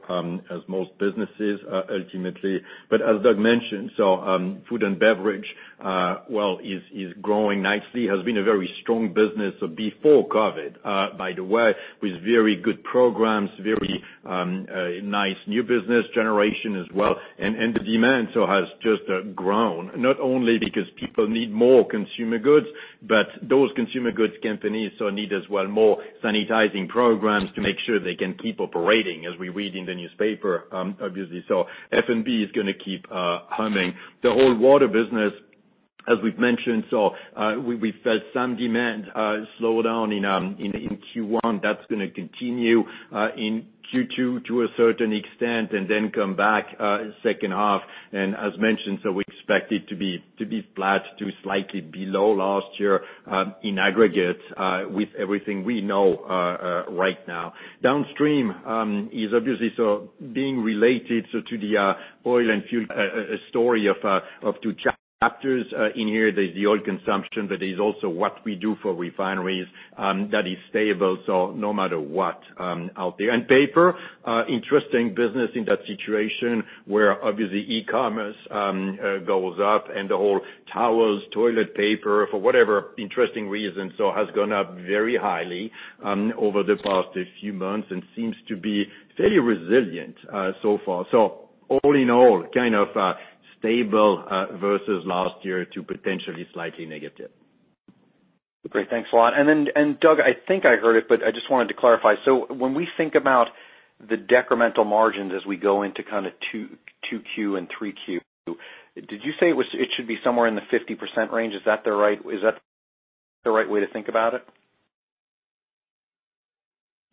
Speaker 8: as most businesses ultimately. As Doug mentioned, food and beverage, well, is growing nicely, has been a very strong business before COVID, by the way, with very good programs, very nice new business generation as well. The demand has just grown, not only because people need more consumer goods, but those consumer goods companies need as well more sanitizing programs to make sure they can keep operating, as we read in the newspaper, obviously. F&B is going to keep humming. The whole water business. As we've mentioned, so we felt some demand slowdown in Q1. That's going to continue in Q2 to a certain extent and then come back second half. As mentioned, so we expect it to be flat to slightly below last year in aggregate with everything we know right now. Downstream is obviously being related to the oil and fuel, a story of two chapters in here. There's the oil consumption, but there's also what we do for refineries that is stable, so no matter what out there. And paper, interesting business in that situation where obviously e-commerce goes up and the whole towels, toilet paper, for whatever interesting reason, so has gone up very highly over the past few months and seems to be fairly resilient so far. All in all, kind of stable versus last year to potentially slightly negative.
Speaker 12: Great. Thanks a lot. Doug, I think I heard it, but I just wanted to clarify. When we think about the decremental margins as we go into kind of two Q and three Q, did you say it should be somewhere in the 50% range? Is that the right way to think about it?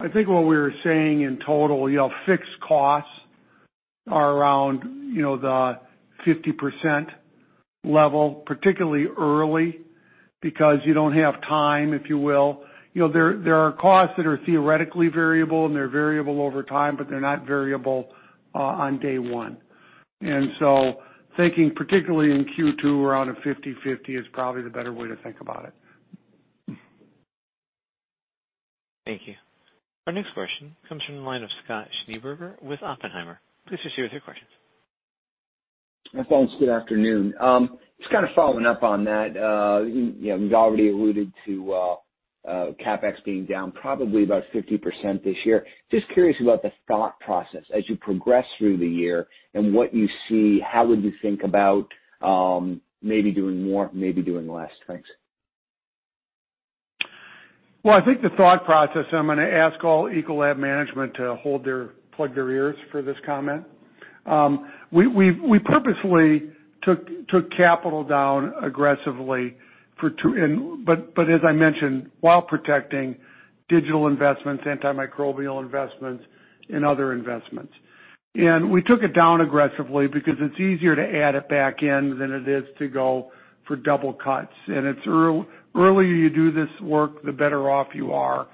Speaker 3: I think what we were saying in total, fixed costs are around the 50% level, particularly early, because you don't have time, if you will. There are costs that are theoretically variable, and they're variable over time, but they're not variable on day one. Thinking particularly in Q2 around a 50/50 is probably the better way to think about it.
Speaker 1: Thank you. Our next question comes from the line of Scott Schneeberger with Oppenheimer. Please proceed with your questions.
Speaker 13: Thanks. Good afternoon. Just kind of following up on that. You've already alluded to CapEx being down probably about 50% this year. Just curious about the thought process as you progress through the year and what you see, how would you think about maybe doing more, maybe doing less? Thanks.
Speaker 3: Well, I think the thought process, I'm going to ask all Ecolab management to plug their ears for this comment. We purposely took capital down aggressively, but as I mentioned, while protecting digital investments, antimicrobial investments, and other investments. We took it down aggressively because it's easier to add it back in than it is to go for double cuts. It's the earlier you do this work, the better off you are.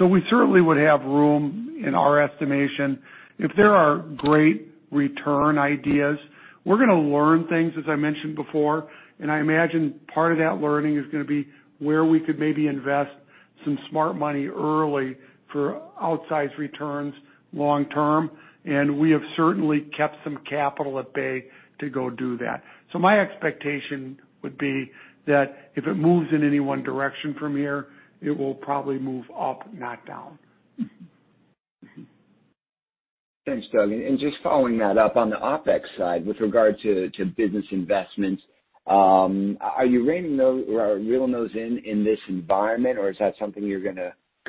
Speaker 3: We certainly would have room in our estimation. If there are great return ideas, we're going to learn things, as I mentioned before, and I imagine part of that learning is going to be where we could maybe invest some smart money early for outsized returns long-term, and we have certainly kept some capital at bay to go do that. My expectation would be that if it moves in any one direction from here, it will probably move up, not down.
Speaker 13: Thanks, Doug. Just following that up on the OpEx side with regard to business investments, are you reining those or reeling those in in this environment? Is that something you're going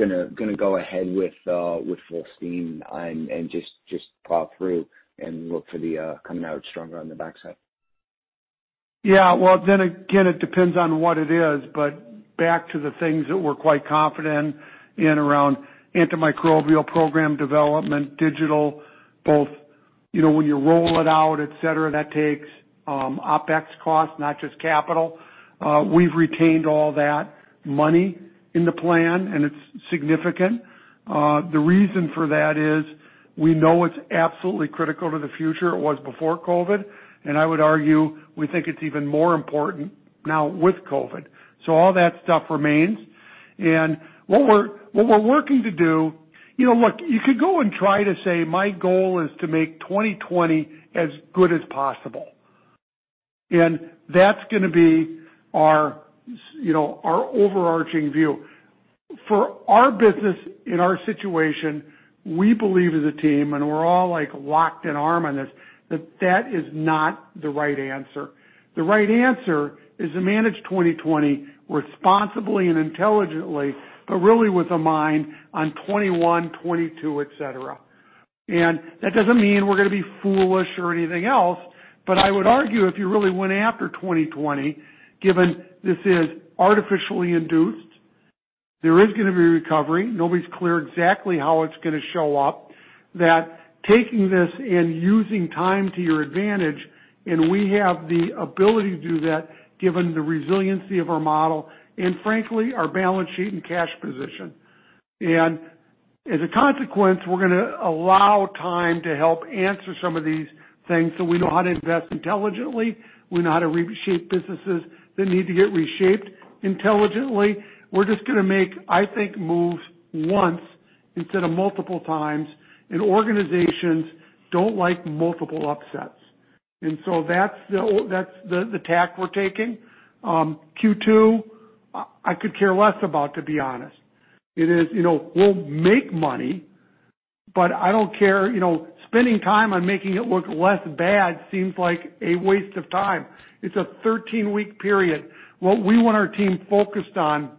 Speaker 13: to go ahead with full steam and just plow through and look for the coming out stronger on the backside?
Speaker 3: Yeah. Well, again, it depends on what it is, but back to the things that we're quite confident in around antimicrobial program development, digital, both when you roll it out, et cetera, that takes OpEx costs, not just capital. We've retained all that money in the plan, it's significant. The reason for that is we know it's absolutely critical to the future. It was before COVID, I would argue we think it's even more important now with COVID. All that stuff remains. What we're working to do. Look, you could go and try to say, "My goal is to make 2020 as good as possible." That's going to be our overarching view. For our business in our situation, we believe as a team, we're all locked in arm on this, that that is not the right answer. The right answer is to manage 2020 responsibly and intelligently, really with a mind on 2021, 2022, et cetera. That doesn't mean we're going to be foolish or anything else. I would argue, if you really went after 2020, given this is artificially induced, there is going to be recovery. Nobody's clear exactly how it's going to show up, that taking this and using time to your advantage, and we have the ability to do that given the resiliency of our model and frankly, our balance sheet and cash position. As a consequence, we're going to allow time to help answer some of these things so we know how to invest intelligently. We know how to reshape businesses that need to get reshaped intelligently. We're just going to make, I think, moves once instead of multiple times, organizations don't like multiple upsets. That's the tack we're taking. Q2, I could care less about, to be honest. We'll make money, but I don't care. Spending time on making it look less bad seems like a waste of time. It's a 13 week period. What we want our team focused on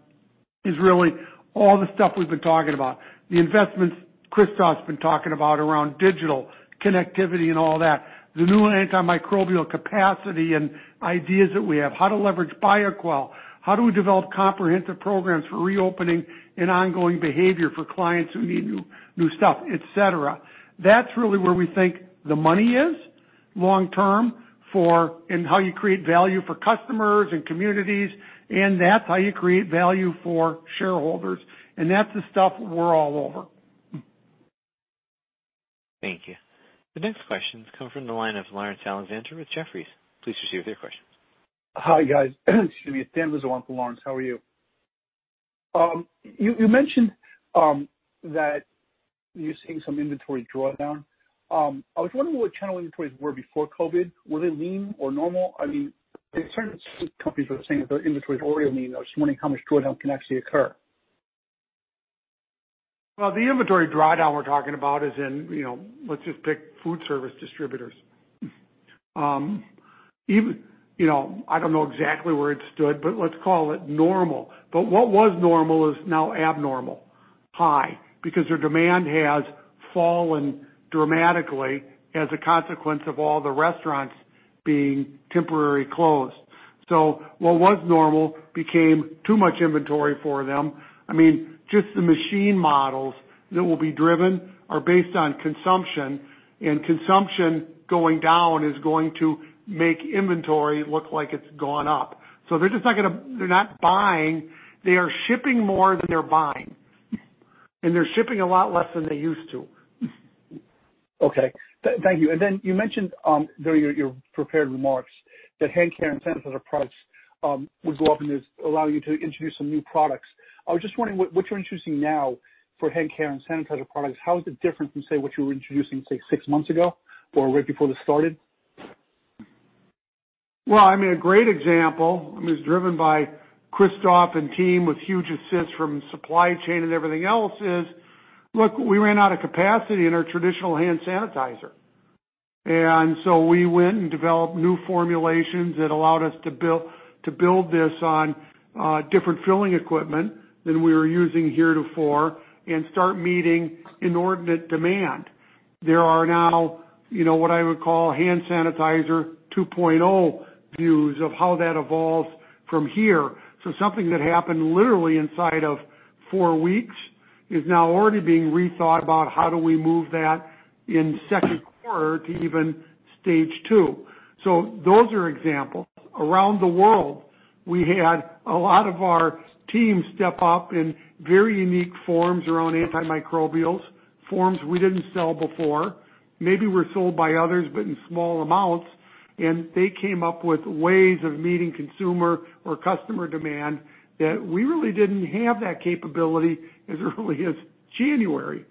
Speaker 3: is really all the stuff we've been talking about, the investments Christophe's been talking about around digital connectivity and all that. The new antimicrobial capacity and ideas that we have, how to leverage Bioquell. How do we develop comprehensive programs for reopening and ongoing behavior for clients who need new stuff, et cetera? That's really where we think the money is long-term, and how you create value for customers and communities, and that's how you create value for shareholders, and that's the stuff we're all over.
Speaker 1: Thank you. The next questions come from the line of Laurence Alexander with Jefferies. Please proceed with your questions.
Speaker 14: Hi, guys. Excuse me. Dan Dolev on for Laurence. How are you? You mentioned that you're seeing some inventory drawdown. I was wondering what channel inventories were before COVID. Were they lean or normal? Certain companies are saying that their inventories are already lean. I was just wondering how much drawdown can actually occur.
Speaker 3: Well, the inventory drawdown we're talking about is in, let's just pick food service distributors. I don't know exactly where it stood, but let's call it normal. What was normal is now abnormal, high, because their demand has fallen dramatically as a consequence of all the restaurants being temporarily closed. What was normal became too much inventory for them. Just the machine models that will be driven are based on consumption, and consumption going down is going to make inventory look like it's gone up. They're not buying. They are shipping more than they're buying, and they're shipping a lot less than they used to.
Speaker 15: Okay. Thank you. You mentioned during your prepared remarks that hand care and sanitizer products would go up and is allowing you to introduce some new products. I was just wondering what you're introducing now for hand care and sanitizer products. How is it different from, say, what you were introducing, say, six months ago or right before this started?
Speaker 3: Well, a great example is driven by Christophe and team with huge assists from supply chain and everything else is, look, we ran out of capacity in our traditional hand sanitizer. We went and developed new formulations that allowed us to build this on different filling equipment than we were using heretofore and start meeting inordinate demand. There are now, what I would call Hand Sanitizer 2.0 views of how that evolves from here. Something that happened literally inside of four weeks is now already being rethought about how do we move that in second quarter to even stage 2. Those are examples. Around the world, we had a lot of our teams step up in very unique forms around antimicrobials, forms we didn't sell before, maybe were sold by others, but in small amounts. They came up with ways of meeting consumer or customer demand that we really didn't have that capability as early as January.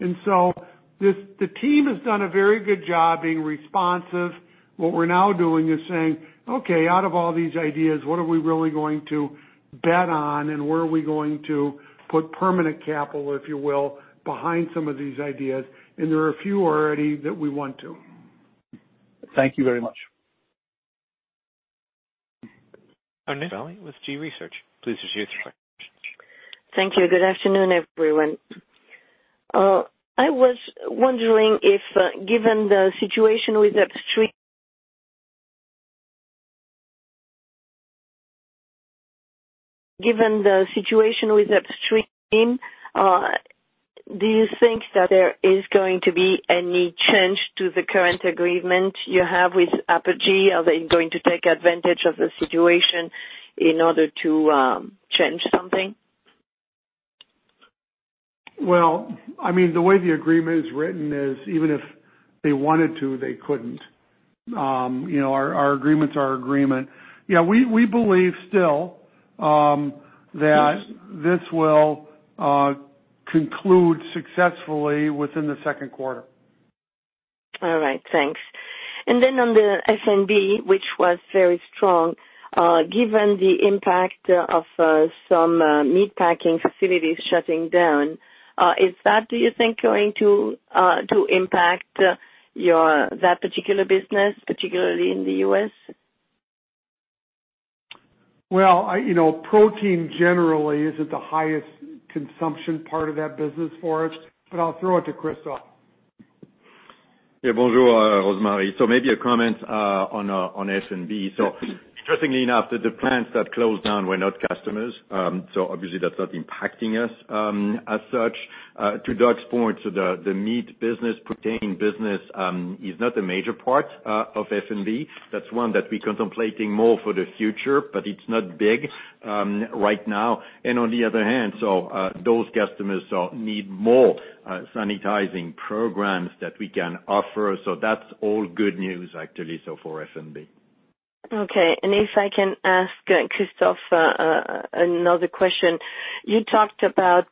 Speaker 3: The team has done a very good job being responsive. What we're now doing is saying, "Okay, out of all these ideas, what are we really going to bet on and where are we going to put permanent capital, if you will, behind some of these ideas?" There are a few already that we want to.
Speaker 14: Thank you very much.
Speaker 1: Our next line, with G Research. Please proceed with your questions.
Speaker 16: Thank you. Good afternoon, everyone. I was wondering if, given the situation with upstream, do you think that there is going to be any change to the current agreement you have with Apergy? Are they going to take advantage of the situation in order to change something?
Speaker 3: The way the agreement is written is even if they wanted to, they couldn't. Our agreement's our agreement. We believe still that this will conclude successfully within the second quarter.
Speaker 16: All right. Thanks. On the F&B, which was very strong, given the impact of some meat packing facilities shutting down, is that, do you think, going to impact that particular business, particularly in the U.S.?
Speaker 3: Well, protein generally isn't the highest consumption part of that business for us, but I'll throw it to Christophe.
Speaker 8: Yeah. Bonjour, Rosemarie. Maybe a comment on F&B. Interestingly enough, the plants that closed down were not customers. Obviously that's not impacting us as such. To Doug's point, the meat business, protein business, is not a major part of F&B. That's one that we contemplating more for the future, but it's not big right now. On the other hand, those customers need more sanitizing programs that we can offer. That's all good news actually, for F&B.
Speaker 16: Okay. If I can ask Christophe another question. You talked about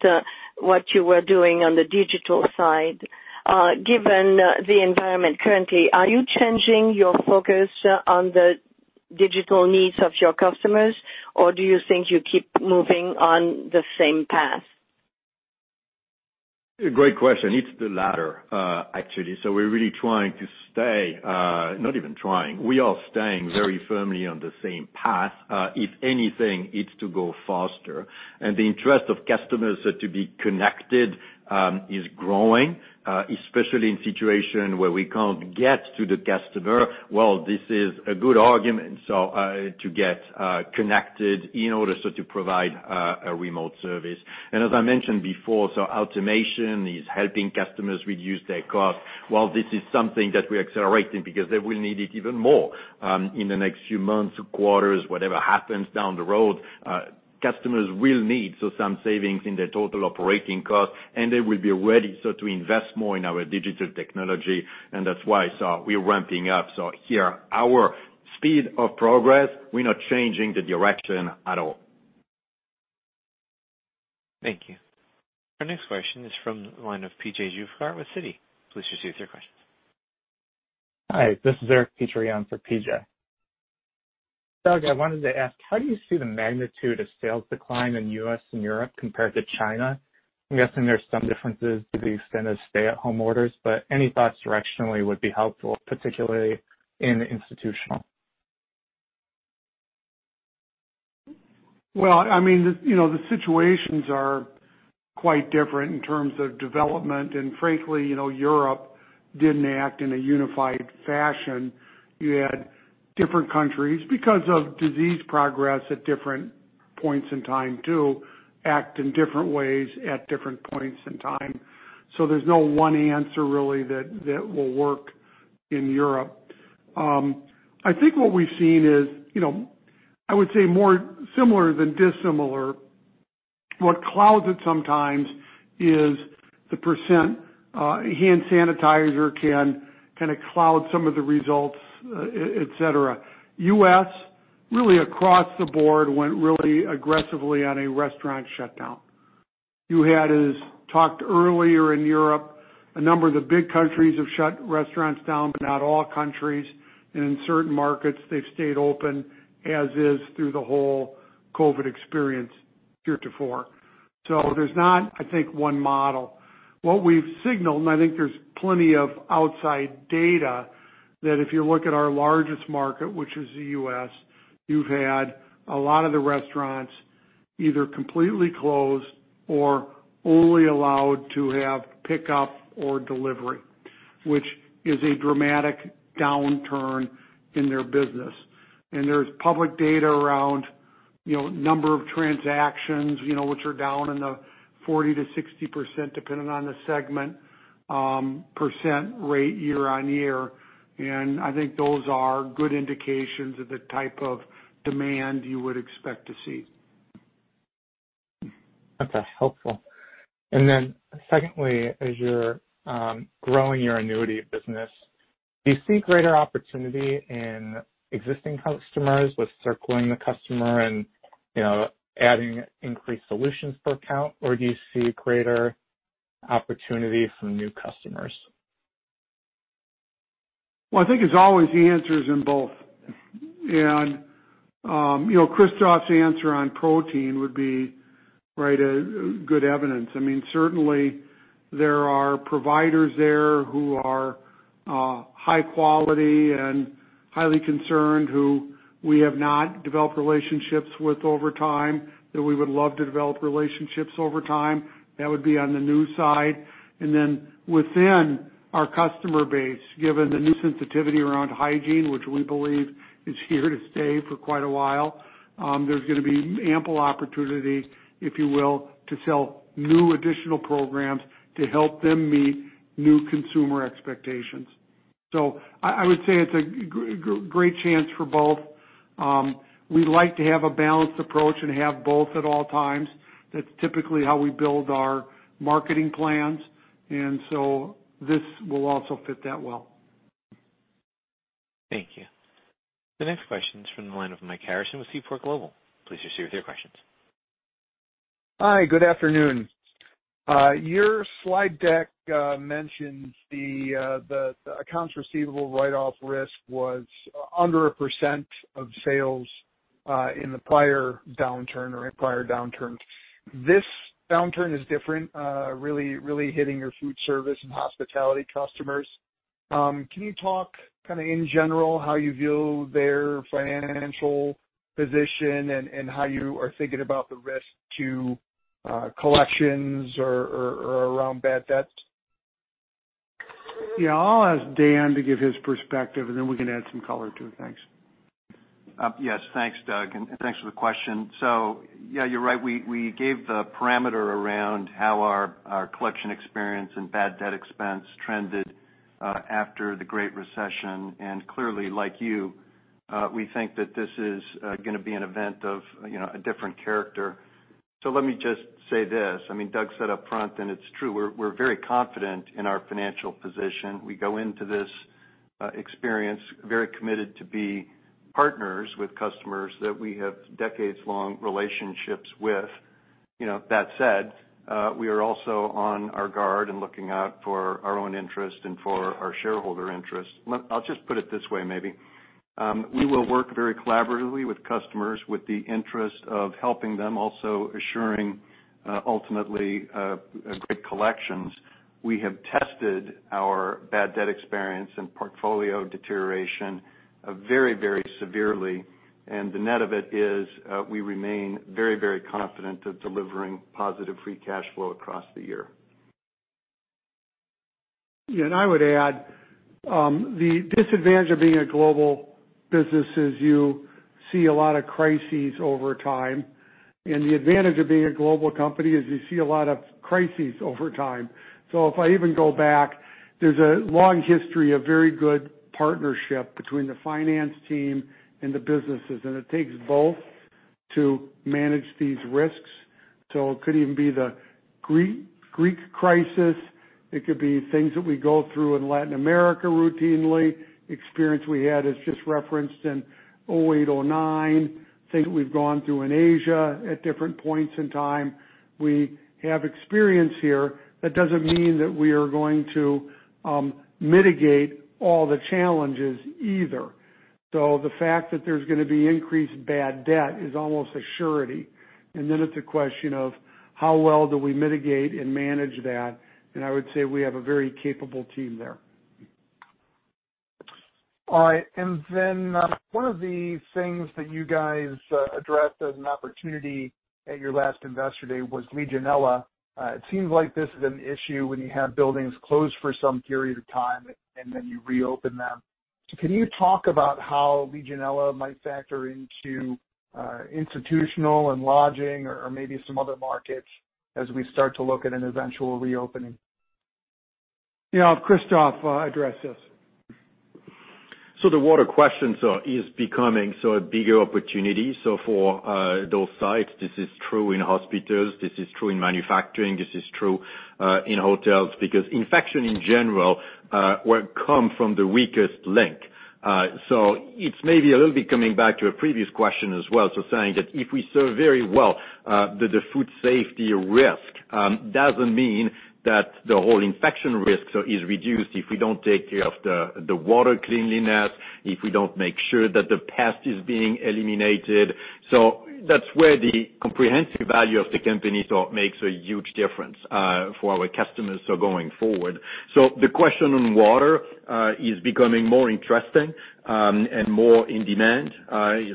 Speaker 16: what you were doing on the digital side. Given the environment currently, are you changing your focus on the digital needs of your customers, or do you think you keep moving on the same path?
Speaker 8: Great question. It's the latter, actually. We're really not even trying. We are staying very firmly on the same path. If anything, it's to go faster. The interest of customers to be connected is growing, especially in situation where we can't get to the customer. Well, this is a good argument, to get connected in order to provide a remote service. As I mentioned before, automation is helping customers reduce their cost. While this is something that we're accelerating because they will need it even more in the next few months or quarters, whatever happens down the road, customers will need some savings in their total operating cost, and they will be ready to invest more in our digital technology. That's why we're ramping up. Here, our speed of progress, we're not changing the direction at all.
Speaker 1: Thank you. Our next question is from the line of P.J. Juvekar with Citi. Please proceed with your questions.
Speaker 17: Hi, this is Eric Petrie for PJ. Doug, I wanted to ask, how do you see the magnitude of sales decline in U.S. and Europe compared to China? I'm guessing there's some differences to the extent of stay-at-home orders, but any thoughts directionally would be helpful, particularly in institutional.
Speaker 3: Well, the situations are quite different in terms of development. Frankly, Europe didn't act in a unified fashion. You had different countries, because of disease progress at different points in time, too, act in different ways at different points in time. There's no one answer really that will work in Europe. I think what we've seen is, I would say more similar than dissimilar. What clouds it sometimes is the %. Hand sanitizer can kind of cloud some of the results, et cetera. U.S., really across the board, went really aggressively on a restaurant shutdown. You had, as talked earlier in Europe, a number of the big countries have shut restaurants down, but not all countries, and in certain markets, they've stayed open as is through the whole COVID-19 experience heretofore. There's not, I think, one model. What we've signaled, and I think there's plenty of outside data, that if you look at our largest market, which is the U.S., you've had a lot of the restaurants either completely closed or only allowed to have pickup or delivery, which is a dramatic downturn in their business. There's public data around number of transactions, which are down in the 40%-60%, depending on the segment, % rate year-over-year. I think those are good indications of the type of demand you would expect to see.
Speaker 17: Okay. Helpful. Secondly, as you're growing your annuity business, do you see greater opportunity in existing customers with circling the customer and adding increased solutions per account? Or do you see greater opportunity from new customers?
Speaker 3: Well, I think as always, the answer is in both. Christophe's answer on protein would be good evidence. Certainly, there are providers there who are high quality and highly concerned who we have not developed relationships with over time, that we would love to develop relationships over time. That would be on the new side. Within our customer base, given the new sensitivity around hygiene, which we believe is here to stay for quite a while, there's going to be ample opportunity, if you will, to sell new additional programs to help them meet new consumer expectations. I would say it's a great chance for both. We like to have a balanced approach and have both at all times. That's typically how we build our marketing plans, this will also fit that well.
Speaker 1: Thank you. The next question is from the line of Mike Harrison with Seaport Global. Please proceed with your questions.
Speaker 18: Hi, good afternoon. Your slide deck mentions the accounts receivable write-off risk was under 1% of sales in the prior downturn or in prior downturns. This downturn is different, really hitting your food service and hospitality customers. Can you talk kind of in general how you view their financial position and how you are thinking about the risk to collections or around bad debt?
Speaker 3: Yeah, I'll ask Dan to give his perspective, and then we can add some color, too. Thanks.
Speaker 19: Yes, thanks, Doug. Thanks for the question. Yeah, you're right. We gave the parameter around how our collection experience and bad debt expense trended after the Great Recession. Clearly, like you, we think that this is going to be an event of a different character. Let me just say this. Doug said up front, and it's true, we're very confident in our financial position. We go into this experience very committed to be partners with customers that we have decades-long relationships with. That said, we are also on our guard and looking out for our own interest and for our shareholder interest. I'll just put it this way, maybe. We will work very collaboratively with customers with the interest of helping them, also assuring, ultimately, great collections. We have tested our bad debt experience and portfolio deterioration very severely, and the net of it is, we remain very confident of delivering positive free cash flow across the year.
Speaker 3: I would add, the disadvantage of being a global business is you see a lot of crises over time. The advantage of being a global company is you see a lot of crises over time. If I even go back, there's a long history of very good partnership between the finance team and the businesses. It takes both to manage these risks. It could even be the Greek crisis. It could be things that we go through in Latin America routinely. Experience we had is just referenced in 2008, 2009, things that we've gone through in Asia at different points in time. We have experience here. That doesn't mean that we are going to mitigate all the challenges either. The fact that there's going to be increased bad debt is almost a surety. Then it's a question of how well do we mitigate and manage that. I would say we have a very capable team there.
Speaker 18: All right. One of the things that you guys addressed as an opportunity at your last Investor Day was Legionella. It seems like this is an issue when you have buildings closed for some period of time, and then you reopen them. Can you talk about how Legionella might factor into institutional and lodging or maybe some other markets as we start to look at an eventual reopening?
Speaker 3: Yeah. Christophe, address this.
Speaker 8: The water question is becoming a bigger opportunity. For those sites, this is true in hospitals, this is true in manufacturing, this is true in hotels because infection in general will come from the weakest link. It's maybe a little bit coming back to a previous question as well. Saying that if we serve very well, the food safety risk doesn't mean that the whole infection risk is reduced if we don't take care of the water cleanliness, if we don't make sure that the pest is being eliminated. That's where the comprehensive value of the company makes a huge difference for our customers going forward. The question on water is becoming more interesting and more in demand,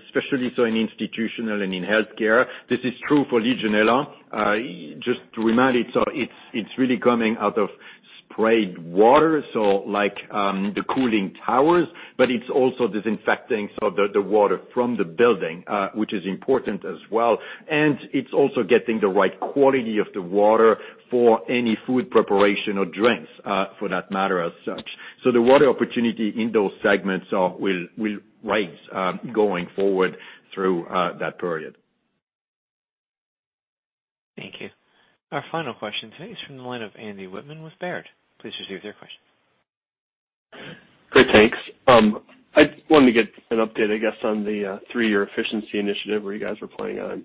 Speaker 8: especially in institutional and in healthcare. This is true for Legionella. Just to remind, it's really coming out of sprayed water, like the cooling towers, but it's also disinfecting the water from the building, which is important as well. It's also getting the right quality of the water for any food preparation or drinks, for that matter, as such. The water opportunity in those segments will rise going forward through that period.
Speaker 1: Thank you. Our final question today is from the line of Andy Wittmann with Baird. Please proceed with your question.
Speaker 20: Great. Thanks. I wanted to get an update, I guess, on the three-year efficiency initiative where you guys were planning on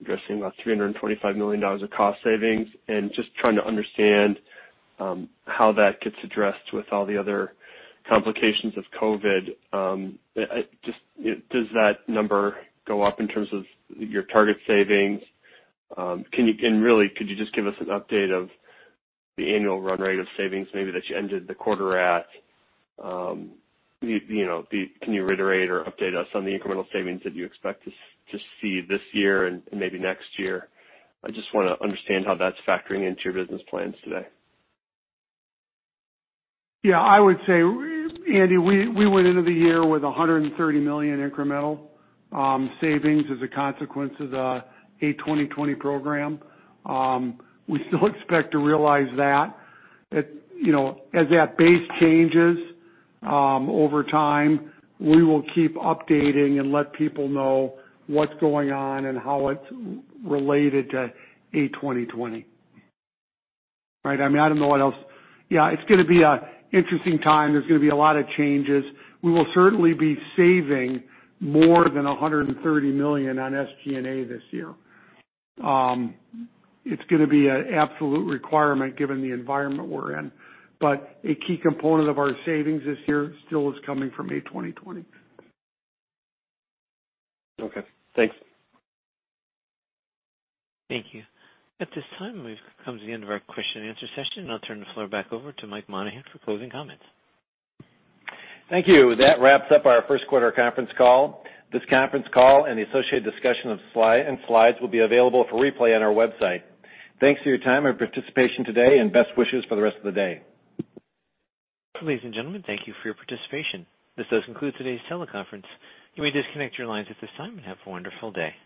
Speaker 20: addressing about $325 million of cost savings and just trying to understand how that gets addressed with all the other complications of COVID. Does that number go up in terms of your target savings? Really, could you just give us an update of the annual run rate of savings maybe that you ended the quarter at? Can you reiterate or update us on the incremental savings that you expect to see this year and maybe next year? I just want to understand how that's factoring into your business plans today.
Speaker 3: Yeah, I would say, Andy, we went into the year with $130 million incremental savings as a consequence of the A2020 program. We still expect to realize that. That base changes over time, we will keep updating and let people know what's going on and how it's related to A2020. Right. I don't know what else. Yeah, it's going to be an interesting time. There's going to be a lot of changes. We will certainly be saving more than $130 million on SG&A this year. It's going to be an absolute requirement given the environment we're in. A key component of our savings this year still is coming from A2020.
Speaker 20: Okay. Thanks.
Speaker 1: Thank you. At this time, we've come to the end of our question and answer session. I'll turn the floor back over to Michael Monahan for closing comments.
Speaker 2: Thank you. That wraps up our first quarter conference call. This conference call and the associated discussion and slides will be available for replay on our website. Thanks for your time and participation today, and best wishes for the rest of the day.
Speaker 1: Ladies and gentlemen, thank you for your participation. This does conclude today's teleconference. You may disconnect your lines at this time, and have a wonderful day.